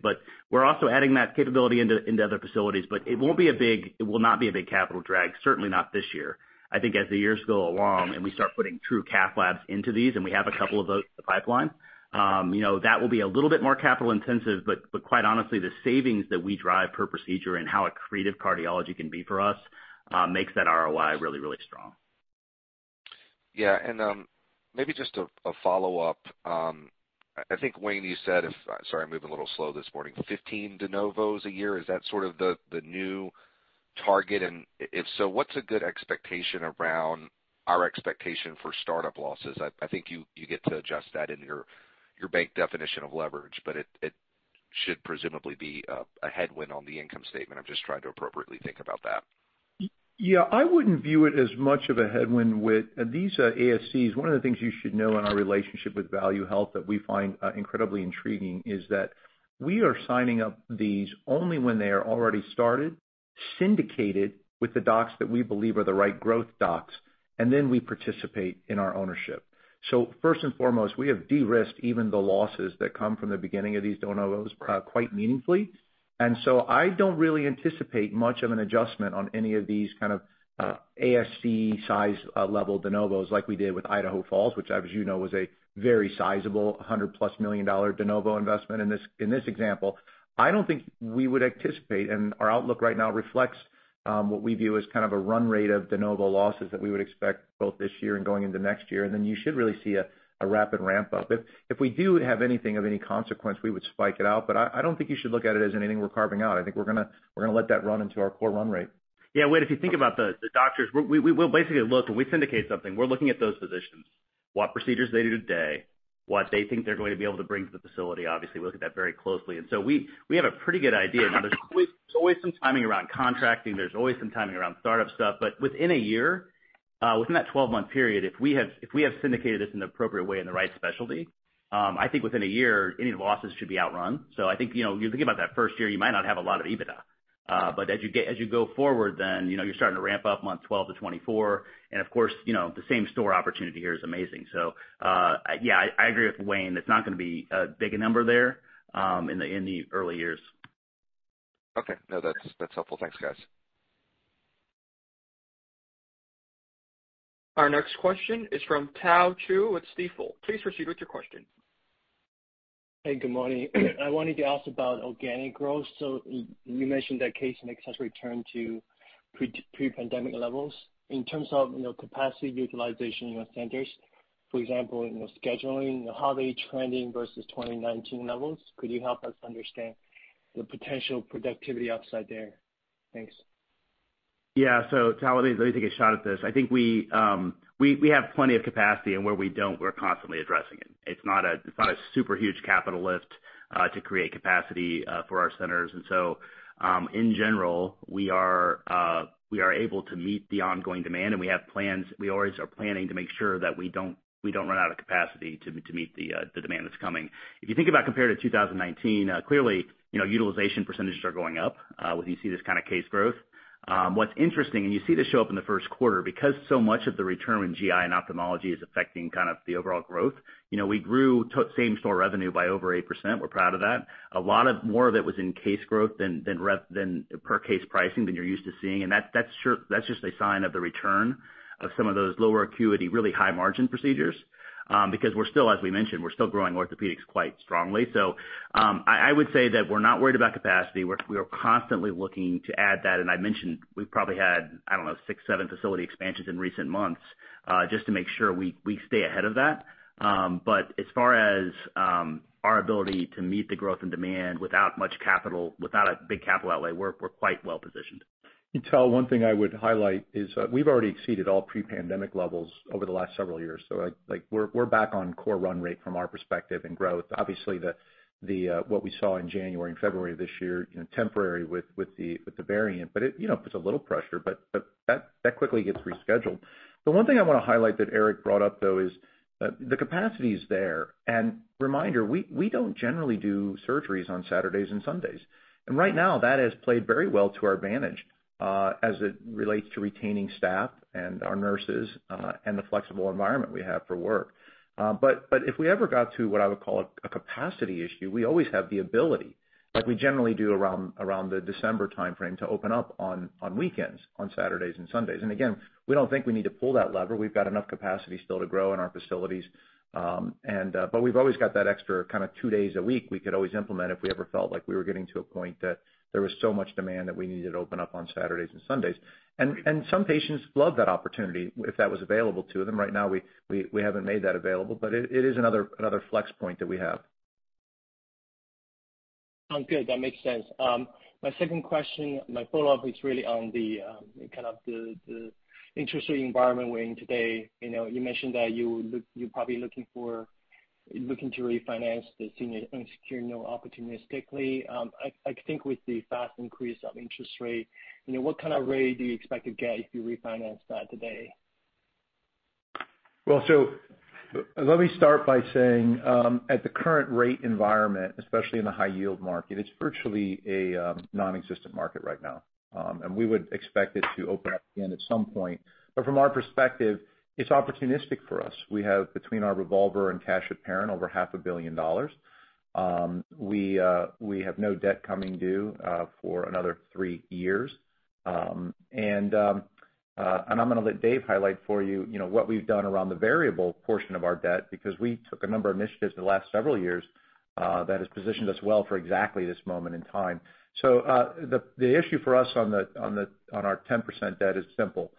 We're also adding that capability into other facilities. It will not be a big capital drag, certainly not this year. I think as the years go along and we start putting true cath labs into these, and we have a couple of those in the pipeline, you know, that will be a little bit more capital intensive. Quite honestly, the savings that we drive per procedure and how accretive cardiology can be for us makes that ROI really, really strong. Maybe just a follow-up. I think, Wayne, you said. Sorry, I'm moving a little slow this morning. 15 de novos a year, is that sort of the new target? If so, what's a good expectation around our expectation for startup losses? I think you get to adjust that in your bank definition of leverage, but it should presumably be a headwind on the income statement. I'm just trying to appropriately think about that. Yeah. I wouldn't view it as much of a headwind with these ASCs, one of the things you should know in our relationship with ValueHealth that we find incredibly intriguing is that we are signing up these only when they are already started, syndicated with the docs that we believe are the right growth docs, and then we participate in our ownership. First and foremost, we have de-risked even the losses that come from the beginning of these de novos quite meaningfully. I don't really anticipate much of an adjustment on any of these kind of ASC size level de novos like we did with Idaho Falls, which as you know, was a very sizable $100+ million de novo investment in this example. I don't think we would anticipate, and our outlook right now reflects what we view as kind of a run rate of de novo losses that we would expect both this year and going into next year. Then you should really see a rapid ramp-up. If we do have anything of any consequence, we would spike it out. I don't think you should look at it as anything we're carving out. I think we're gonna let that run into our core run rate. Yeah. Whit, if you think about the doctors, we'll basically look when we syndicate something, we're looking at those physicians, what procedures they do today, what they think they're going to be able to bring to the facility. Obviously, we look at that very closely. We have a pretty good idea. Now there's always some timing around contracting. There's always some timing around startup stuff. Within a year, within that 12-month period, if we have syndicated this in the appropriate way in the right specialty, I think within a year any losses should be outrun. You know, you think about that first year, you might not have a lot of EBITDA. But as you go forward, then, you know, you're starting to ramp up month 12-24. Of course, you know, the same store opportunity here is amazing. Yeah, I agree with Wayne. It's not gonna be a big number there, in the early years. Okay. No, that's helpful. Thanks, guys. Our next question is from Tao Qiu with Stifel. Please proceed with your question. Hey, good morning. I wanted to ask about organic growth. You mentioned that case mix has returned to pre-pandemic levels. In terms of, you know, capacity utilization in your centers. For example, in the scheduling, how are they trending versus 2019 levels? Could you help us understand the potential productivity upside there? Thanks. Yeah. Tao, let me take a shot at this. I think we have plenty of capacity, and where we don't, we're constantly addressing it. It's not a super huge capital lift to create capacity for our centers. In general, we are able to meet the ongoing demand, and we have plans. We always are planning to make sure that we don't run out of capacity to meet the demand that's coming. If you think about compared to 2019, clearly, you know, utilization percentages are going up when you see this kind of case growth. What's interesting. You see this show up in the first quarter, because so much of the return in GI and ophthalmology is affecting kind of the overall growth, you know, we grew same store revenue by over 8%. We're proud of that. A lot more of it was in case growth than per case pricing than you're used to seeing. That's just a sign of the return of some of those lower acuity, really high margin procedures, because we're still, as we mentioned, we're still growing orthopedics quite strongly. I would say that we're not worried about capacity. We are constantly looking to add that. I mentioned we've probably had, I don't know, 6, 7 facility expansions in recent months, just to make sure we stay ahead of that. As far as our ability to meet the growth and demand without much capital, without a big capital outlay, we're quite well-positioned. Tao, one thing I would highlight is, we've already exceeded all pre-pandemic levels over the last several years. Like, we're back on core run rate from our perspective and growth. Obviously, what we saw in January and February of this year, you know, temporary with the variant, but it, you know, puts a little pressure, but that quickly gets rescheduled. The one thing I wanna highlight that Eric brought up though is, the capacity is there, and reminder, we don't generally do surgeries on Saturdays and Sundays. Right now, that has played very well to our advantage, as it relates to retaining staff and our nurses, and the flexible environment we have for work. If we ever got to what I would call a capacity issue, we always have the ability, like we generally do around the December timeframe, to open up on weekends, on Saturdays and Sundays. Again, we don't think we need to pull that lever. We've got enough capacity still to grow in our facilities. We've always got that extra kind of two days a week we could always implement if we ever felt like we were getting to a point that there was so much demand that we needed to open up on Saturdays and Sundays. Some patients love that opportunity if that was available to them. Right now, we haven't made that available, but it is another flex point that we have. Sounds good. That makes sense. My second question, my follow-up is really on the kind of the interesting environment we're in today. You know, you mentioned that you're probably looking to refinance the senior unsecured note opportunistically. I think with the fast increase of interest rate, you know, what kind of rate do you expect to get if you refinance that today? Well, let me start by saying at the current rate environment, especially in the high yield market, it's virtually a non-existent market right now. We would expect it to open up again at some point. From our perspective, it's opportunistic for us. We have, between our revolver and cash at parent, over half a billion dollars. We have no debt coming due for another three years. I'm gonna let Dave highlight for you know, what we've done around the variable portion of our debt, because we took a number of initiatives in the last several years that has positioned us well for exactly this moment in time. The issue for us on our 10% debt is simple.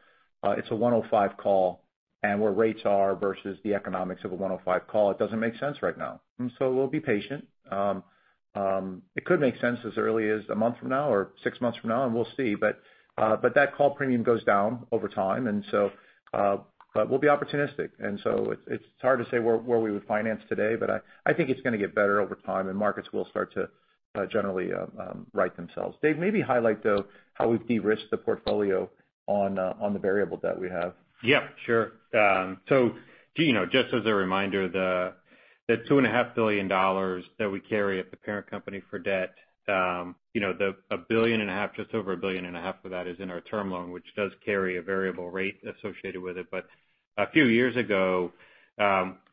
It's a 105 call, and where rates are versus the economics of a 105 call, it doesn't make sense right now. We'll be patient. It could make sense as early as a month from now or 6 months from now, and we'll see. That call premium goes down over time, but we'll be opportunistic. It's hard to say where we would finance today, but I think it's gonna get better over time and markets will start to generally right themselves. Dave, maybe highlight though how we've de-risked the portfolio on the variable debt we have. Yeah, sure. Geno, just as a reminder, the two and a half billion dollars that we carry at the parent company for debt, you know, a billion and a half, just over a billion and a half of that is in our term loan, which does carry a variable rate associated with it. A few years ago,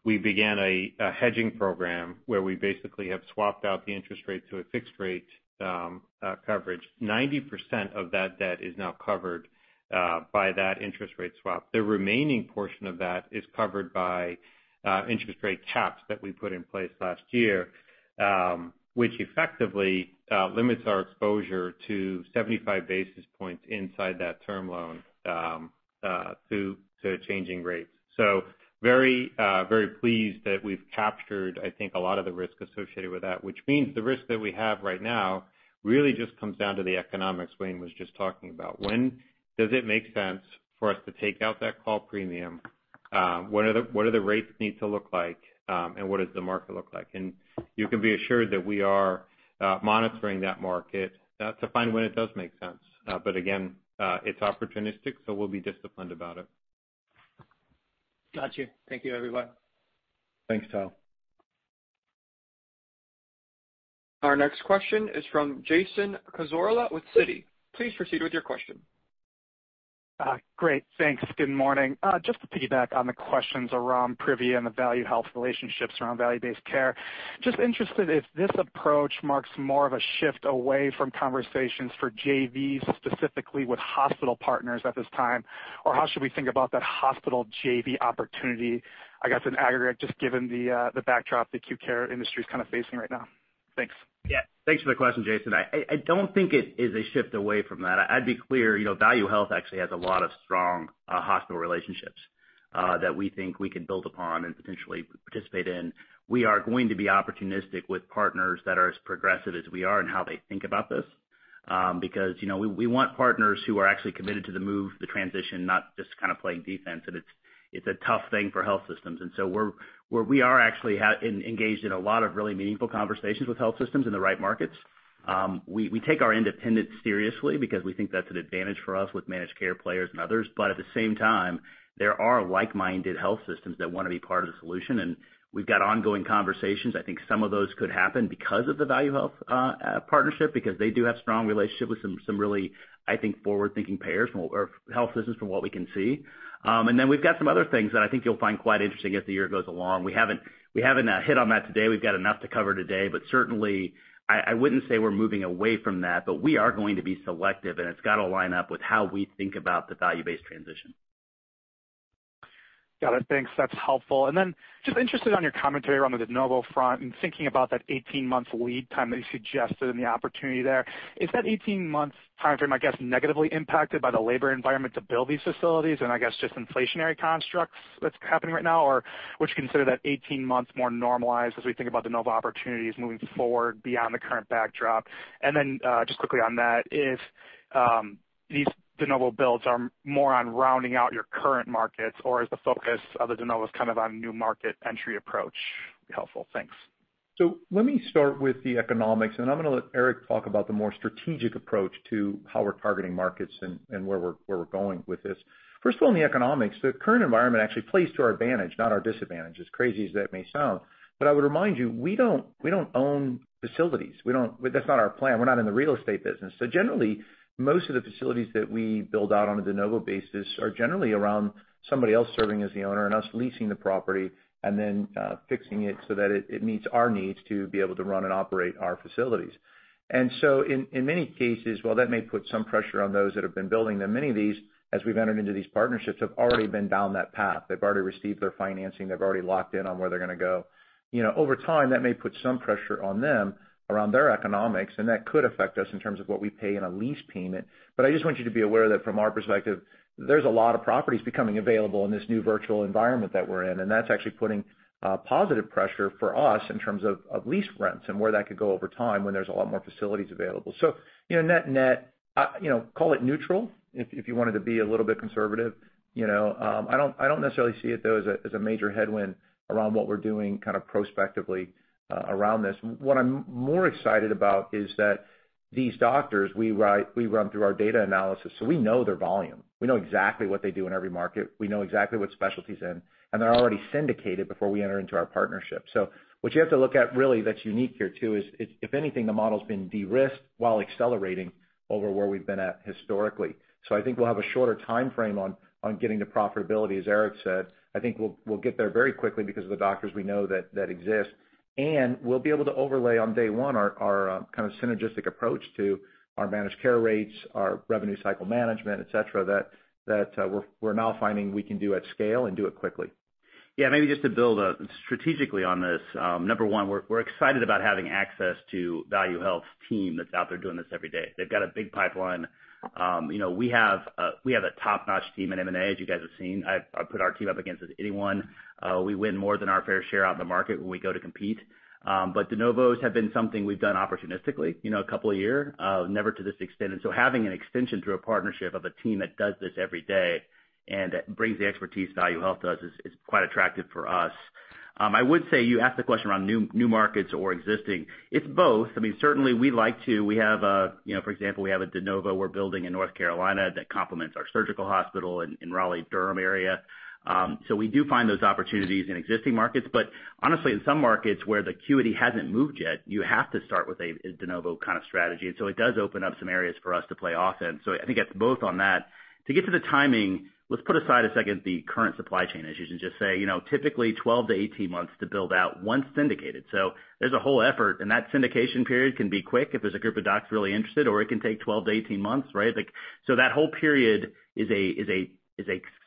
we began a hedging program where we basically have swapped out the interest rate to a fixed rate coverage. 90% of that debt is now covered by that interest rate swap. The remaining portion of that is covered by interest rate caps that we put in place last year, which effectively limits our exposure to 75 basis points inside that term loan to changing rates. Very pleased that we've captured, I think, a lot of the risk associated with that, which means the risk that we have right now really just comes down to the economics Wayne was just talking about. When does it make sense for us to take out that call premium? What do the rates need to look like? What does the market look like? You can be assured that we are monitoring that market to find when it does make sense. Again, it's opportunistic, so we'll be disciplined about it. Got you. Thank you, everyone. Thanks, Tao. Our next question is from Jason Cassorla with Citi. Please proceed with your question. Great. Thanks. Good morning. Just to piggyback on the questions around Privia and the ValueHealth relationships around value-based care. Just interested if this approach marks more of a shift away from conversations for JVs, specifically with hospital partners at this time, or how should we think about that hospital JV opportunity, I guess, in aggregate, just given the backdrop the acute care industry is kind of facing right now? Yeah, thanks for the question, Jason. I don't think it is a shift away from that. I'd be clear, you know, ValueHealth actually has a lot of strong hospital relationships that we think we can build upon and potentially participate in. We are going to be opportunistic with partners that are as progressive as we are in how they think about this, because, you know, we want partners who are actually committed to the move, the transition, not just kind of playing defense. It's a tough thing for health systems. We are actually engaged in a lot of really meaningful conversations with health systems in the right markets. We take our independence seriously because we think that's an advantage for us with managed care players and others. At the same time, there are like-minded health systems that wanna be part of the solution, and we've got ongoing conversations. I think some of those could happen because of the ValueHealth partnership because they do have strong relationships with some really, I think, forward-thinking payers or health systems from what we can see. And then we've got some other things that I think you'll find quite interesting as the year goes along. We haven't hit on that today. We've got enough to cover today, but certainly I wouldn't say we're moving away from that, but we are going to be selective, and it's gotta line up with how we think about the value-based transition. Got it. Thanks. That's helpful. Just interested on your commentary around the de novo front and thinking about that 18 months lead time that you suggested and the opportunity there. Is that 18 months timeframe, I guess, negatively impacted by the labor environment to build these facilities and I guess just inflationary constructs that's happening right now? Or would you consider that 18 months more normalized as we think about de novo opportunities moving forward beyond the current backdrop? Just quickly on that, if these de novo builds are more on rounding out your current markets or is the focus of the de novos kind of on new market entry approach? Be helpful. Thanks. Let me start with the economics, and then I'm gonna let Eric talk about the more strategic approach to how we're targeting markets and where we're going with this. First of all, in the economics, the current environment actually plays to our advantage, not our disadvantage, as crazy as that may sound. I would remind you, we don't own facilities. We don't. That's not our plan. We're not in the real estate business. Generally, most of the facilities that we build out on a de novo basis are generally around somebody else serving as the owner and us leasing the property and then fixing it so that it meets our needs to be able to run and operate our facilities. In many cases, while that may put some pressure on those that have been building them, many of these, as we've entered into these partnerships, have already been down that path. They've already received their financing. They've already locked in on where they're gonna go. You know, over time, that may put some pressure on them around their economics, and that could affect us in terms of what we pay in a lease payment. But I just want you to be aware that from our perspective, there's a lot of properties becoming available in this new virtual environment that we're in, and that's actually putting positive pressure for us in terms of lease rents and where that could go over time when there's a lot more facilities available. You know, net-net, call it neutral if you wanted to be a little bit conservative. You know, I don't necessarily see it though as a major headwind around what we're doing kind of prospectively around this. What I'm more excited about is that these doctors, we run through our data analysis, so we know their volume. We know exactly what they do in every market. We know exactly what specialties in, and they're already syndicated before we enter into our partnership. What you have to look at really that's unique here too is if anything, the model's been de-risked while accelerating over where we've been at historically. I think we'll have a shorter timeframe on getting to profitability, as Eric said. I think we'll get there very quickly because of the doctors we know that exist. We'll be able to overlay on day one our kind of synergistic approach to our managed care rates, our revenue cycle management, et cetera, that we're now finding we can do at scale and do it quickly. Yeah, maybe just to build strategically on this. Number 1, we're excited about having access to ValueHealth's team that's out there doing this every day. They've got a big pipeline. You know, we have a top-notch team at M&A, as you guys have seen. I put our team up against anyone. We win more than our fair share out in the market when we go to compete. De novos have been something we've done opportunistically, you know, a couple a year, never to this extent. Having an extension through a partnership of a team that does this every day and that brings the expertise ValueHealth does is quite attractive for us. I would say you asked the question around new markets or existing. It's both. I mean, certainly we like to. We have a, you know, for example, we have a de novo we're building in North Carolina that complements our surgical hospital in Raleigh-Durham area. We do find those opportunities in existing markets. Honestly, in some markets where the acuity hasn't moved yet, you have to start with a de novo kind of strategy. It does open up some areas for us to play offense. I think that's both on that. To get to the timing, let's put aside a second the current supply chain issues and just say, you know, typically 12-18 months to build out once syndicated. There's a whole effort, and that syndication period can be quick if there's a group of docs really interested, or it can take 12-18 months, right? Like, that whole period is a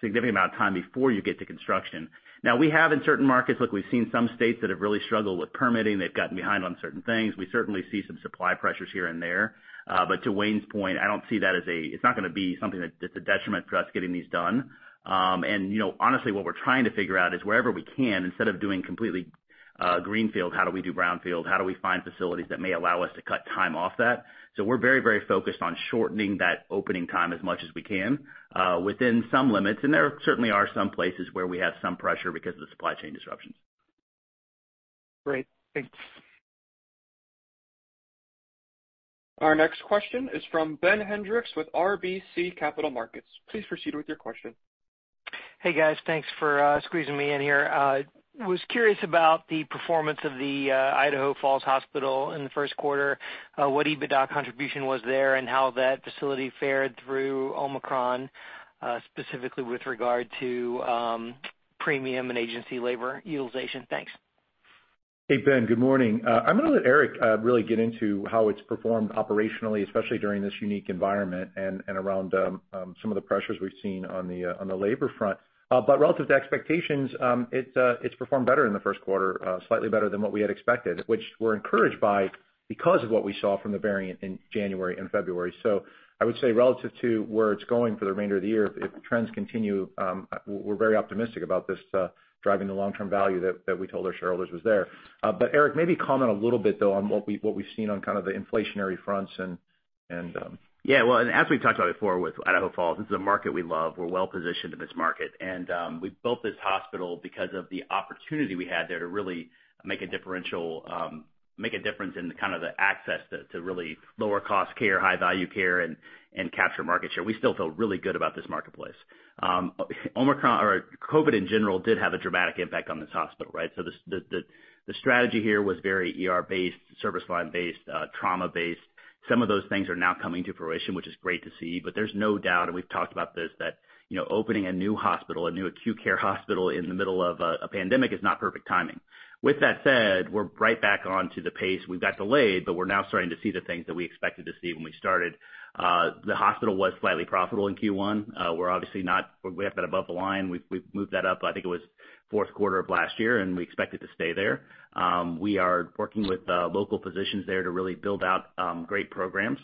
significant amount of time before you get to construction. Now we have in certain markets. Look, we've seen some states that have really struggled with permitting. They've gotten behind on certain things. We certainly see some supply pressures here and there. To Wayne's point, I don't see that. It's not gonna be something that's a detriment for us getting these done. You know, honestly, what we're trying to figure out is wherever we can, instead of doing completely greenfield, how do we do brownfield? How do we find facilities that may allow us to cut time off that? We're very, very focused on shortening that opening time as much as we can within some limits. There certainly are some places where we have some pressure because of the supply chain disruptions. Great. Thanks. Our next question is from Ben Hendrix with RBC Capital Markets. Please proceed with your question. Hey, guys. Thanks for squeezing me in here. Was curious about the performance of the Idaho Falls Community Hospital in the first quarter, what EBITDA contribution was there and how that facility fared through Omicron, specifically with regard to premium and agency labor utilization. Thanks. Hey, Ben, good morning. I'm gonna let Eric really get into how it's performed operationally, especially during this unique environment and around some of the pressures we've seen on the labor front. Relative to expectations, it's performed better in the first quarter, slightly better than what we had expected, which we're encouraged by because of what we saw from the variant in January and February. I would say relative to where it's going for the remainder of the year, if trends continue, we're very optimistic about this driving the long-term value that we told our shareholders was there. Eric, maybe comment a little bit though on what we've seen on kind of the inflationary fronts and Yeah. Well, as we've talked about before with Idaho Falls, this is a market we love. We're well-positioned in this market. We built this hospital because of the opportunity we had there to really make a difference in kind of the access to really lower cost care, high value care and capture market share. We still feel really good about this marketplace. Omicron or COVID in general did have a dramatic impact on this hospital, right? The strategy here was very ER-based, service line based, trauma-based. Some of those things are now coming to fruition, which is great to see, but there's no doubt, and we've talked about this, that you know, opening a new hospital, a new acute care hospital in the middle of a pandemic is not perfect timing. With that said, we're right back onto the pace. We got delayed, but we're now starting to see the things that we expected to see when we started. The hospital was slightly profitable in Q1. We have that above the line. We've moved that up, I think it was fourth quarter of last year, and we expect it to stay there. We are working with local physicians there to really build out great programs,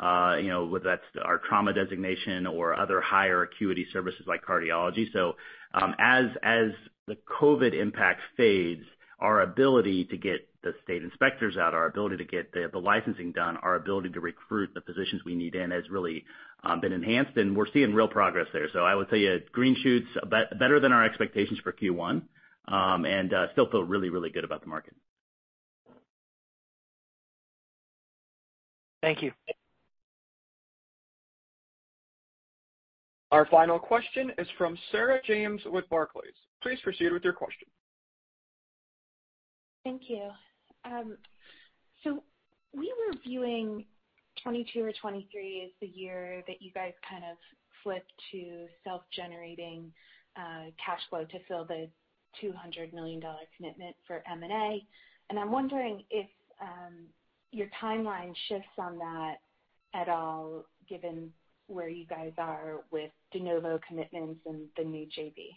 you know, whether that's our trauma designation or other higher acuity services like cardiology. As the COVID impact fades, our ability to get the state inspectors out, our ability to get the licensing done, our ability to recruit the physicians we need in has really been enhanced, and we're seeing real progress there. I would tell you green shoots better than our expectations for Q1, and still feel really, really good about the market. Thank you. Our final question is from Sarah James with Barclays. Please proceed with your question. Thank you. So we were viewing 2022 or 2023 as the year that you guys kind of flipped to self-generating cash flow to fill the $200 million commitment for M&A. I'm wondering if your timeline shifts on that at all given where you guys are with de novo commitments and the new JV?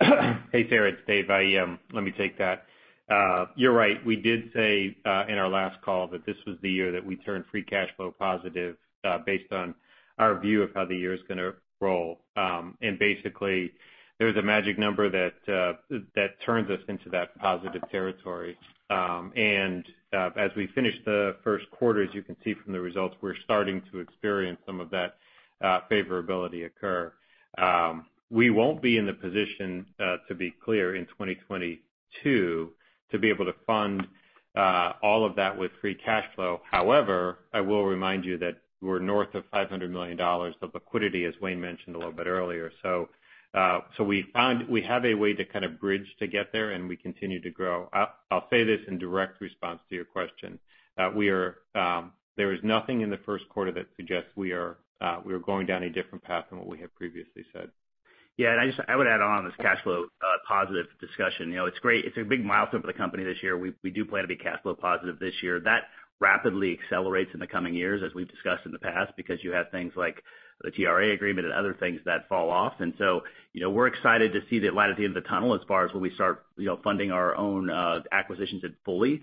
Hey, Sarah, it's Dave. Let me take that. You're right. We did say in our last call that this was the year that we turned free cash flow positive based on our view of how the year is gonna roll. Basically, there's a magic number that turns us into that positive territory. As we finish the first quarter, as you can see from the results, we're starting to experience some of that favorability occur. We won't be in the position to be clear in 2022, to be able to fund all of that with free cash flow. However, I will remind you that we're north of $500 million of liquidity, as Wayne mentioned a little bit earlier. We have a way to kind of bridge to get there, and we continue to grow. I'll say this in direct response to your question. There is nothing in the first quarter that suggests we are going down a different path than what we have previously said. Yeah. I would add on this cash flow positive discussion. You know, it's great. It's a big milestone for the company this year. We do plan to be cash flow positive this year. That rapidly accelerates in the coming years, as we've discussed in the past, because you have things like the TRA agreement and other things that fall off. You know, we're excited to see the light at the end of the tunnel as far as when we start, you know, funding our own acquisitions fully.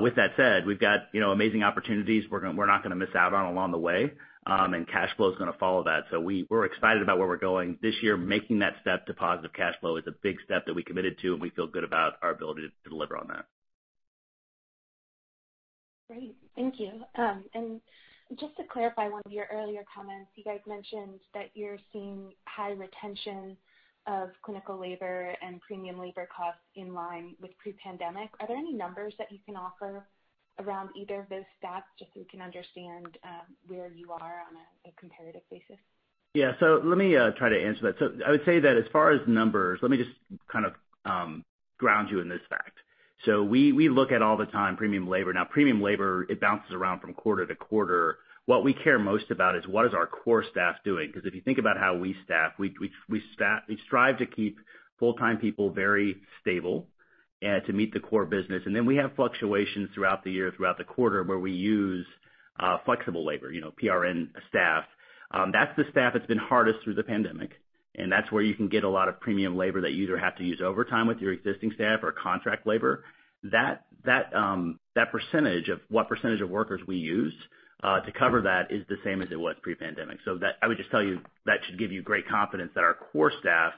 With that said, we've got, you know, amazing opportunities we're not gonna miss out on along the way, and cash flow is gonna follow that. We're excited about where we're going this year. Making that step to positive cash flow is a big step that we committed to, and we feel good about our ability to deliver on that. Great. Thank you. Just to clarify one of your earlier comments, you guys mentioned that you're seeing high retention of clinical labor and premium labor costs in line with pre-pandemic. Are there any numbers that you can offer around either of those stats, just so we can understand where you are on a comparative basis? Yeah. Let me try to answer that. I would say that as far as numbers, let me just kind of ground you in this fact. We look at all the time premium labor. Now, premium labor, it bounces around from quarter to quarter. What we care most about is what is our core staff doing? Because if you think about how we staff, we strive to keep full-time people very stable to meet the core business. We have fluctuations throughout the year, throughout the quarter, where we use flexible labor, you know, PRN staff. That's the staff that's been hardest through the pandemic, and that's where you can get a lot of premium labor that you either have to use overtime with your existing staff or contract labor. That percentage of workers we use to cover that is the same as it was pre-pandemic. I would just tell you that should give you great confidence that our core staff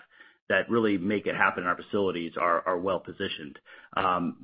that really make it happen in our facilities are well positioned.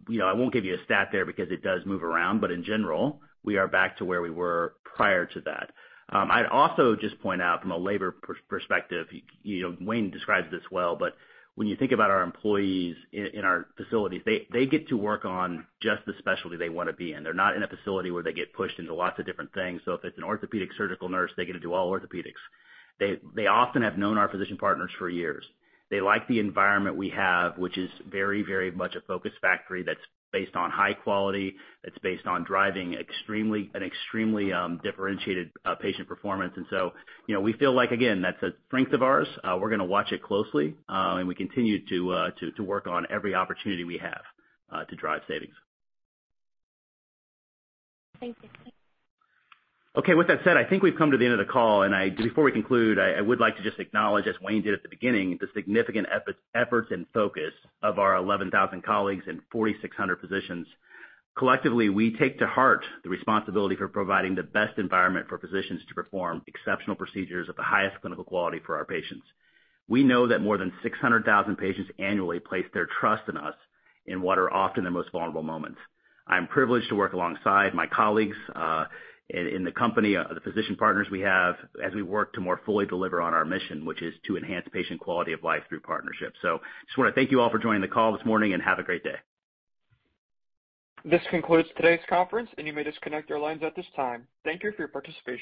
You know, I won't give you a stat there because it does move around, but in general, we are back to where we were prior to that. I'd also just point out from a labor perspective, you know, Wayne describes this well, but when you think about our employees in our facilities, they get to work on just the specialty they wanna be in. They're not in a facility where they get pushed into lots of different things. If it's an orthopedic surgical nurse, they get to do all orthopedics. They often have known our physician partners for years. They like the environment we have, which is very, very much a focus factory that's based on high quality, that's based on driving an extremely differentiated patient performance. You know, we feel like, again, that's a strength of ours. We're gonna watch it closely, and we continue to work on every opportunity we have to drive savings. Thank you. Okay, with that said, I think we've come to the end of the call, and before we conclude, I would like to just acknowledge, as Wayne did at the beginning, the significant efforts and focus of our 11,000 colleagues and 4,600 physicians. Collectively, we take to heart the responsibility for providing the best environment for physicians to perform exceptional procedures of the highest clinical quality for our patients. We know that more than 600,000 patients annually place their trust in us in what are often their most vulnerable moments. I'm privileged to work alongside my colleagues in the company, the physician partners we have as we work to more fully deliver on our mission, which is to enhance patient quality of life through partnerships. Just wanna thank you all for joining the call this morning, and have a great day. This concludes today's conference, and you may disconnect your lines at this time. Thank you for your participation.